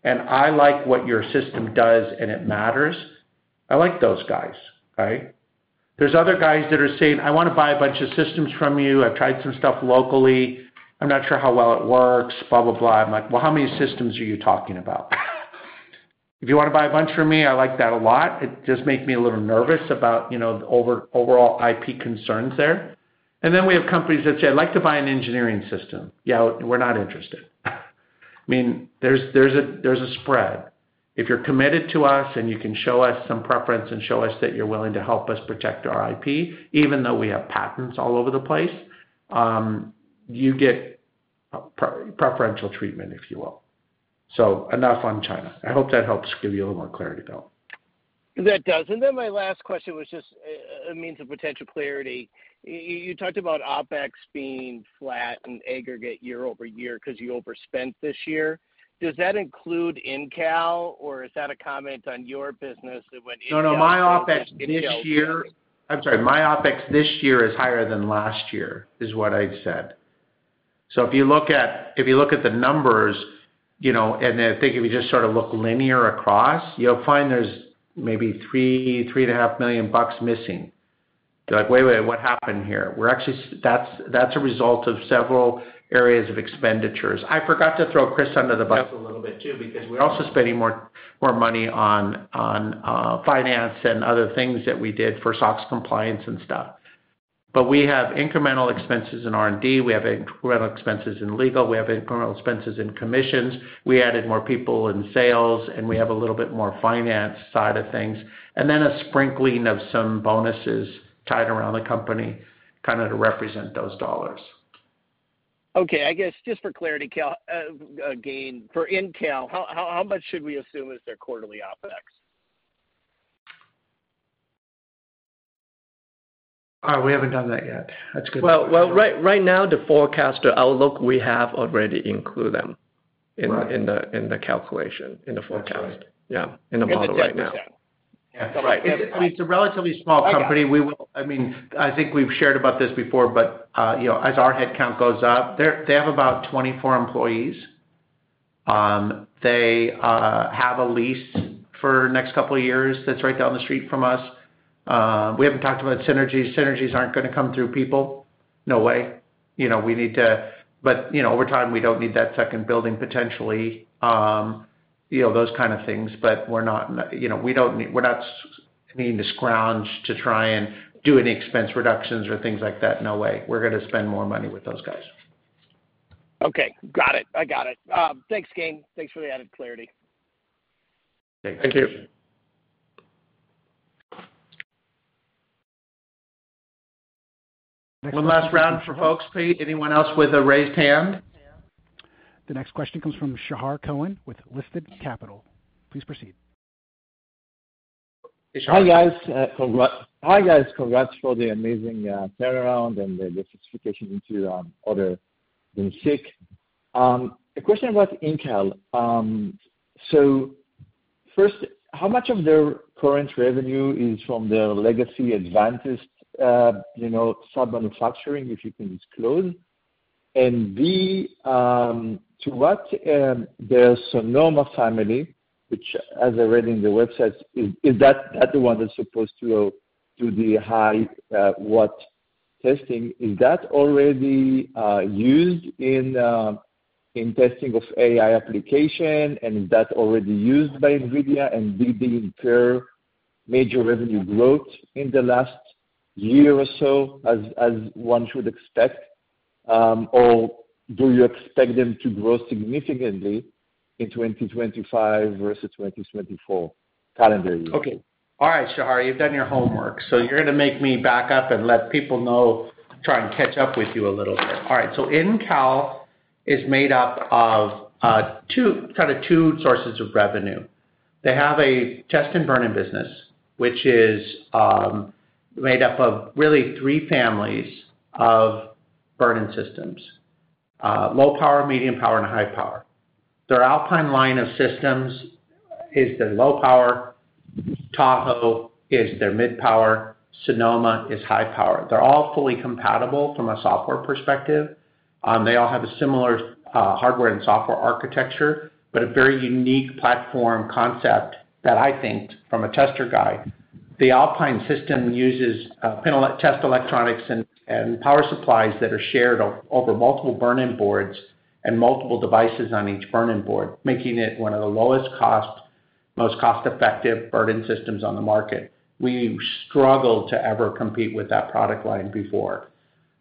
and I like what your system does, and it matters." I like those guys, okay? There's other guys that are saying: I wanna buy a bunch of systems from you. I've tried some stuff locally. I'm not sure how well it works, blah, blah, blah. I'm like: Well, how many systems are you talking about? If you wanna buy a bunch from me, I like that a lot. It just makes me a little nervous about, you know, the overall IP concerns there. And then we have companies that say, "I'd like to buy an engineering system." Yeah, we're not interested. I mean, there's a spread. If you're committed to us and you can show us some preference and show us that you're willing to help us protect our IP, even though we have patents all over the place, you get preferential treatment, if you will. So enough on China. I hope that helps give you a little more clarity, though. That does. Then my last question was just a means of potential clarity. You talked about OpEx being flat in aggregate year-over-year because you overspent this year. Does that include Incal, or is that a comment on your business when Incal- No, no, my OpEx this year- I'm sorry, my OpEx this year is higher than last year, is what I've said. So if you look at, if you look at the numbers, you know, and I think if you just sort of look linear across, you'll find there's maybe $3 million-$3.5 million missing. Like, wait, wait, what happened here? We're actually. That's, that's a result of several areas of expenditures. I forgot to throw Chris under the bus a little bit, too, because we're also spending more, more money on, on, finance and other things that we did for SOX compliance and stuff. But we have incremental expenses in R&D, we have incremental expenses in legal, we have incremental expenses in commissions, we added more people in sales, and we have a little bit more finance side of things, and then a sprinkling of some bonuses tied around the company, kind of to represent those dollars. Okay. I guess just for clarity, Cal, again, for Incal, how much should we assume is their quarterly OpEx? We haven't done that yet. That's a good- Well, right now, the forecast outlook, we have already include them- Right in the calculation, in the forecast. That's right. Yeah, in the model right now. Yeah. It's a relatively small company. I got it. We will. I mean, I think we've shared about this before, but you know, as our headcount goes up, they have about 24 employees. They have a lease for next couple of years that's right down the street from us. We haven't talked about synergies. Synergies aren't gonna come through people, no way. You know, we need to... But you know, over time, we don't need that second building, potentially, you know, those kind of things. But we're not, you know, we don't—we're not needing to scrounge to try and do any expense reductions or things like that. No way. We're gonna spend more money with those guys. Okay, got it. I got it. Thanks, Gayn. Thanks for the added clarity. Thank you. Thank you. One last round for folks, please. Anyone else with a raised hand? The next question comes from Shahar Cohen with Lucid Capital. Please proceed. Shahar? Hi, guys, congrats for the amazing turnaround and the specifications into other than SiC. A question about Incal. So first, how much of their current revenue is from their legacy Advantest, you know, sub-manufacturing, if you can disclose? And B, to what their Sonoma family, which as I read in the website, is that the one that's supposed to do the high watt testing? Is that already used in testing of AI application, and is that already used by NVIDIA, and did they incur major revenue growth in the last year or so, as one should expect, or do you expect them to grow significantly in 2025 versus 2024 calendar year? Okay. All right, Shahar, you've done your homework, so you're gonna make me back up and let people know, try and catch up with you a little bit. All right, so Incal is made up of two, kind of, two sources of revenue. They have a test and burn-in business, which is made up of really three families of burn-in systems: low power, medium power, and high power. Their Alpine line of systems is the low power, Tahoe is their mid power, Sonoma is high power. They're all fully compatible from a software perspective. They all have a similar hardware and software architecture, but a very unique platform concept that I think, from a tester guide, the Alpine system uses panel test electronics and power supplies that are shared over multiple burn-in boards and multiple devices on each burn-in board, making it one of the lowest cost, most cost-effective burn-in systems on the market. We struggled to ever compete with that product line before.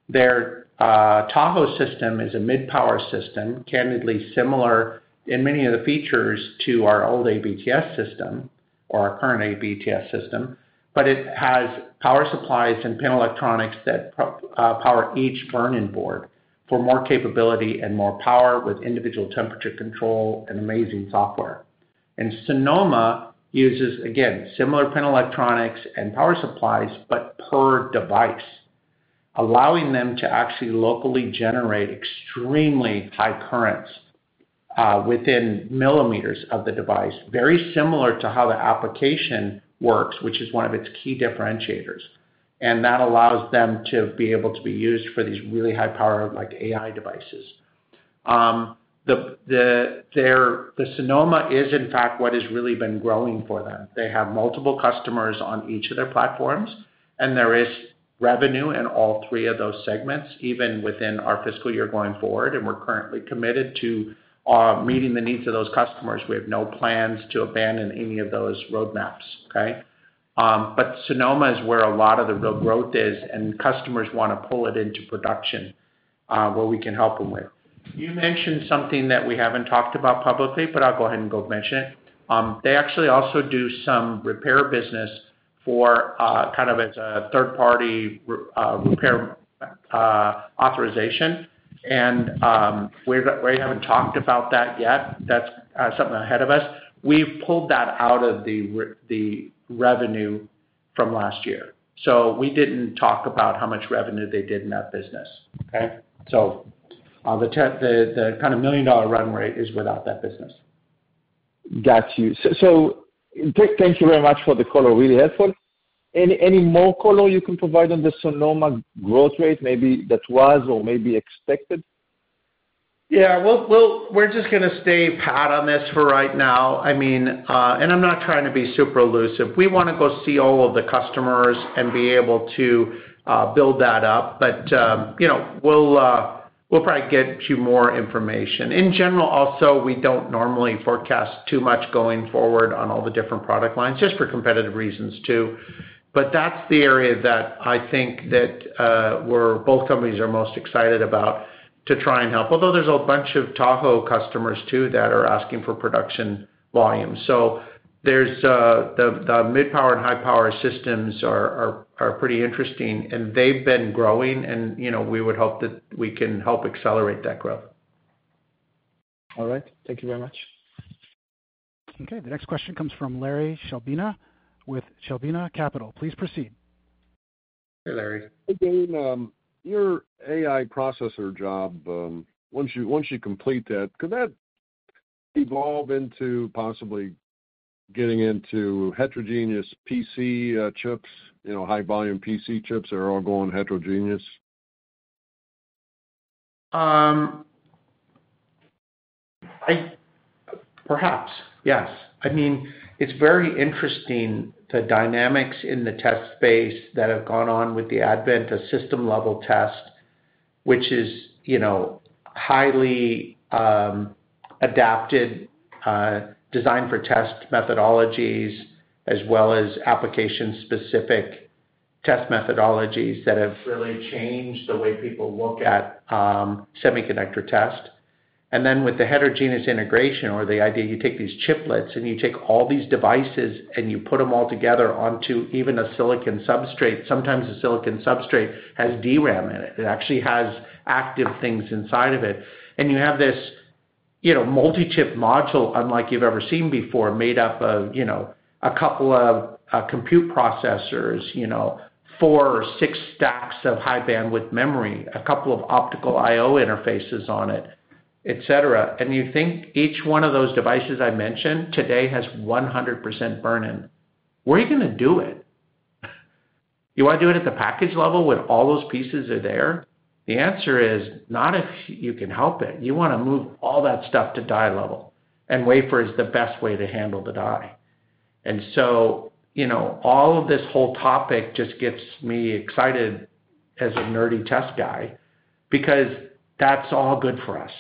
Their Tahoe system is a mid-power system, candidly similar in many of the features to our old ABTS system or our current ABTS system, but it has power supplies and panel electronics that power each burn-in board for more capability and more power, with individual temperature control and amazing software. Sonoma uses, again, similar panel electronics and power supplies, but per device, allowing them to actually locally generate extremely high currents within millimeters of the device, very similar to how the application works, which is one of its key differentiators. And that allows them to be able to be used for these really high-powered, like AI devices. The Sonoma is, in fact, what has really been growing for them. They have multiple customers on each of their platforms, and there is revenue in all three of those segments, even within our fiscal year going forward, and we're currently committed to meeting the needs of those customers. We have no plans to abandon any of those roadmaps. Okay? But Sonoma is where a lot of the real growth is, and customers want to pull it into production, where we can help them with. You mentioned something that we haven't talked about publicly, but I'll go ahead and go mention it. They actually also do some repair business for, kind of as a third-party repair authorization, and, we haven't talked about that yet. That's, something ahead of us. We've pulled that out of the revenue from last year, so we didn't talk about how much revenue they did in that business, okay? So, the kind of million-dollar run rate is without that business. Got you. So, thank you very much for the color. Really helpful. Any more color you can provide on the Sonoma growth rate, maybe that was or may be expected?... Yeah, we'll stay pat on this for right now. I mean, and I'm not trying to be super elusive. We wanna go see all of the customers and be able to build that up. But you know, we'll probably get you more information. In general, also, we don't normally forecast too much going forward on all the different product lines, just for competitive reasons, too. But that's the area that I think that we're both companies are most excited about to try and help. Although there's a bunch of Tahoe customers, too, that are asking for production volume. So there's the mid-power and high-power systems are pretty interesting, and they've been growing and, you know, we would hope that we can help accelerate that growth. All right. Thank you very much. Okay, the next question comes from Larry Chlebina with Chlebina Capital. Please proceed. Hey, Larry. Hey, Gayn, your AI processor job, once you complete that, could that evolve into possibly getting into heterogeneous PC chips? You know, high-volume PC chips are all going heterogeneous. Perhaps, yes. I mean, it's very interesting, the dynamics in the test space that have gone on with the advent of system-level test, which is, you know, highly adapted, designed for test methodologies, as well as application-specific test methodologies that have really changed the way people look at, semiconductor test. And then with the heterogeneous integration or the idea you take these chiplets, and you take all these devices, and you put them all together onto even a silicon substrate. Sometimes the silicon substrate has DRAM in it. It actually has active things inside of it. And you have this, you know, multi-chip module, unlike you've ever seen before, made up of, you know, a couple of compute processors, you know, four or six stacks of high-bandwidth memory, a couple of optical I/O interfaces on it, et cetera. You think each one of those devices I mentioned today has 100% burn-in. Where are you gonna do it? You wanna do it at the package level, when all those pieces are there? The answer is, not if you can help it. You wanna move all that stuff to die level, and wafer is the best way to handle the die. So, you know, all of this whole topic just gets me excited as a nerdy test guy because that's all good for us.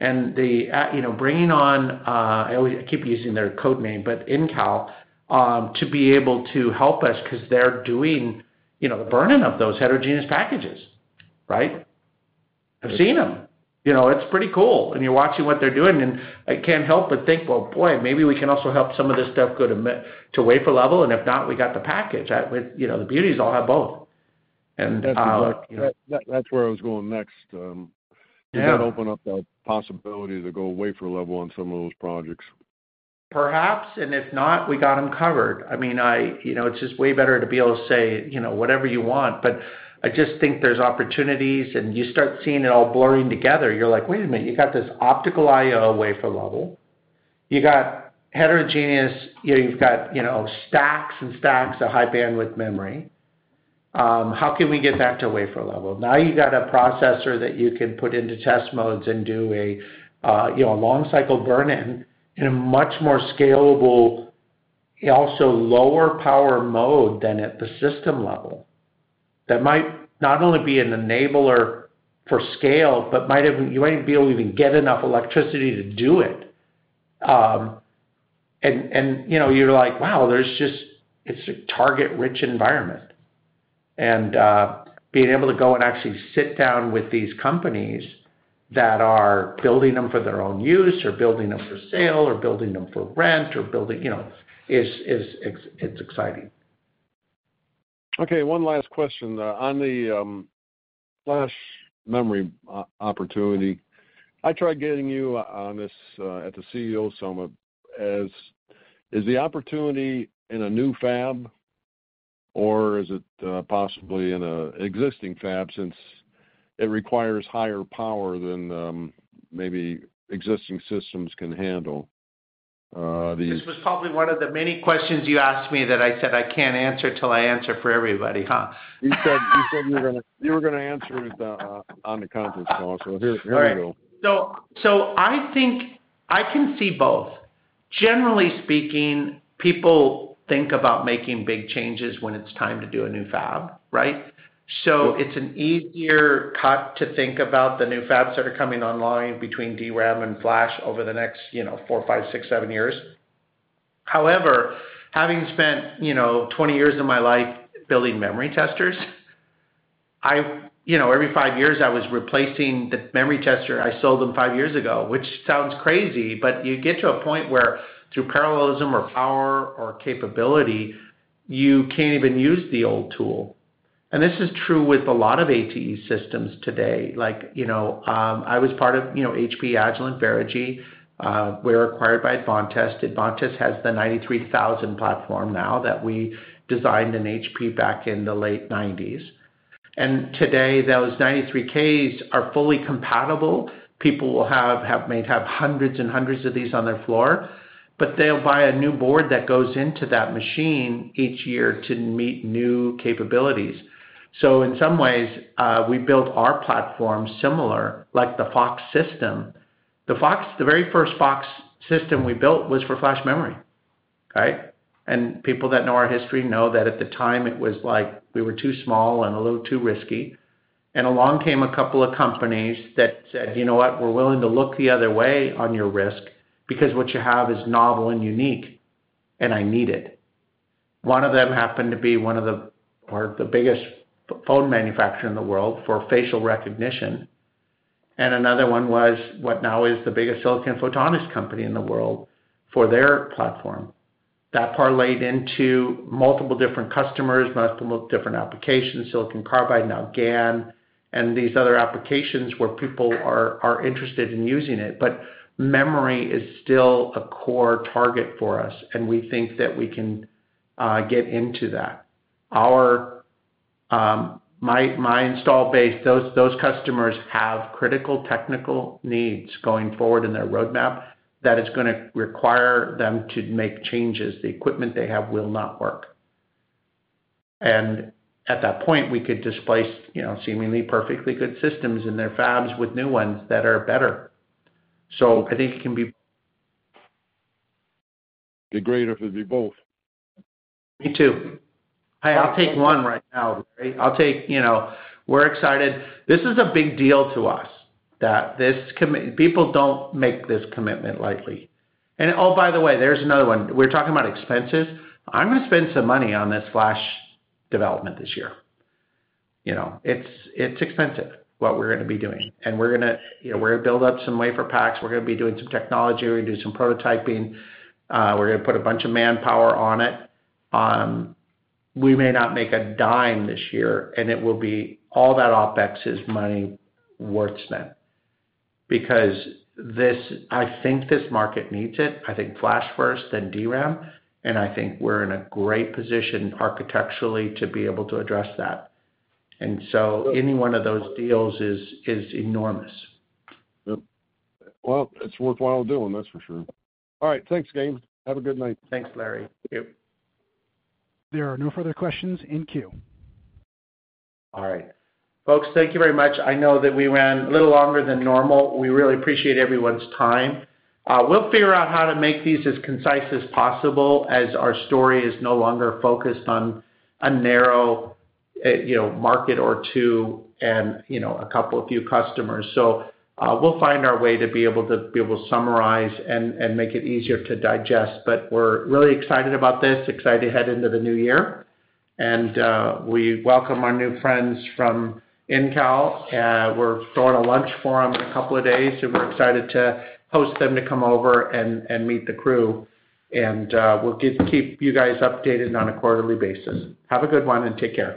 And you know, bringing on, I always keep using their code name, but Intel, to be able to help us 'cause they're doing, you know, the burning of those heterogeneous packages, right? I've seen them. You know, it's pretty cool, and you're watching what they're doing, and I can't help but think, "Well, boy, maybe we can also help some of this stuff go to wafer level, and if not, we got the package." I would, you know, the beauty is I'll have both. That, that's where I was going next. Yeah. Does that open up the possibility to go wafer level on some of those projects? Perhaps, and if not, we got them covered. I mean, I... You know, it's just way better to be able to say, you know, whatever you want, but I just think there's opportunities, and you start seeing it all blurring together. You're like: Wait a minute, you got this optical I/O wafer level. You got heterogeneous. You know, you've got, you know, stacks and stacks of high-bandwidth memory. How can we get that to wafer level? Now, you got a processor that you can put into test modes and do a, you know, a long cycle burn-in in a much more scalable, also lower power mode than at the system level. That might not only be an enabler for scale, but might even, you might even be able to even get enough electricity to do it. You four, you're like: Wow, there's just—it's a target-rich environment. Being able to go and actually sit down with these companies that are building them for their own use or building them for sale or building them for rent or building, you know, it's exciting. Okay, one last question. On the flash memory opportunity, I tried getting you on this at the CEO Summit, as is the opportunity in a new fab, or is it possibly in an existing fab, since it requires higher power than maybe existing systems can handle these? This was probably one of the many questions you asked me that I said I can't answer till I answer for everybody, huh? You said you were gonna answer it on the conference call, so here we go. All right. So, I think I can see both. Generally speaking, people think about making big changes when it's time to do a new fab, right? Yep. So it's an easier cut to think about the new fabs that are coming online between DRAM and flash over the next, you know, four, five, six, seven years. However, having spent, you know, 20 years of my life building memory testers, I—you know, every five years, I was replacing the memory tester I sold them five years ago, which sounds crazy, but you get to a point where, through parallelism or power or capability, you can't even use the old tool. And this is true with a lot of ATE systems today. Like, you know, I was part of, you know, HP, Agilent, Verigy, we were acquired by Advantest. Advantest has the 93K platform now that we designed in HP back in the late 1990s. And today, those 93Ks are fully compatible. People will have may have hundreds and hundreds of these on their floor, but they'll buy a new board that goes into that machine each year to meet new capabilities. So in some ways, we built our platform similar, like the FOX system. The FOX, the very first FOX system we built was for flash memory, right? And people that know our history know that at the time, it was like we were too small and a little too risky. And along came a couple of companies that said, "You know what? We're willing to look the other way on your risk, because what you have is novel and unique, and I need it." One of them happened to be one of the, or the biggest iPhone manufacturer in the world for facial recognition, and another one was what now is the biggest silicon photonics company in the world for their platform. That parlayed into multiple different customers, multiple different applications, silicon carbide, now GaN, and these other applications where people are interested in using it. But memory is still a core target for us, and we think that we can get into that. Our install base, those customers have critical technical needs going forward in their roadmap, that it's gonna require them to make changes. The equipment they have will not work. At that point, we could displace, you know, seemingly perfectly good systems in their fabs with new ones that are better. So I think it can be- Be great if it'd be both. Me too. I'll take one right now, Larry. I'll take, you know, we're excited. This is a big deal to us, that this commitment. People don't make this commitment lightly. And, oh, by the way, there's another one. We're talking about expenses. I'm gonna spend some money on this flash development this year. You know, it's, it's expensive, what we're gonna be doing, and we're gonna, you know, we're gonna build up some WaferPaks, we're gonna be doing some technology, we're gonna do some prototyping, we're gonna put a bunch of manpower on it. We may not make a dime this year, and it will be all that OpEx money worth spent. Because this. I think this market needs it, I think flash first, then DRAM, and I think we're in a great position architecturally to be able to address that. Any one of those deals is enormous. Yep. Well, it's worthwhile doing, that's for sure. All right, thanks, Gayn. Have a good night. Thanks, Larry. Thank you. There are no further questions in queue. All right. Folks, thank you very much. I know that we ran a little longer than normal. We really appreciate everyone's time. We'll figure out how to make these as concise as possible, as our story is no longer focused on a narrow, you know, market or two and, you know, a couple of few customers. So, we'll find our way to be able to summarize and make it easier to digest. But we're really excited about this, excited to head into the new year, and we welcome our new friends from Incal. We're throwing a lunch for them in a couple of days, so we're excited to host them to come over and meet the crew. And we'll keep you guys updated on a quarterly basis. Have a good one, and take care.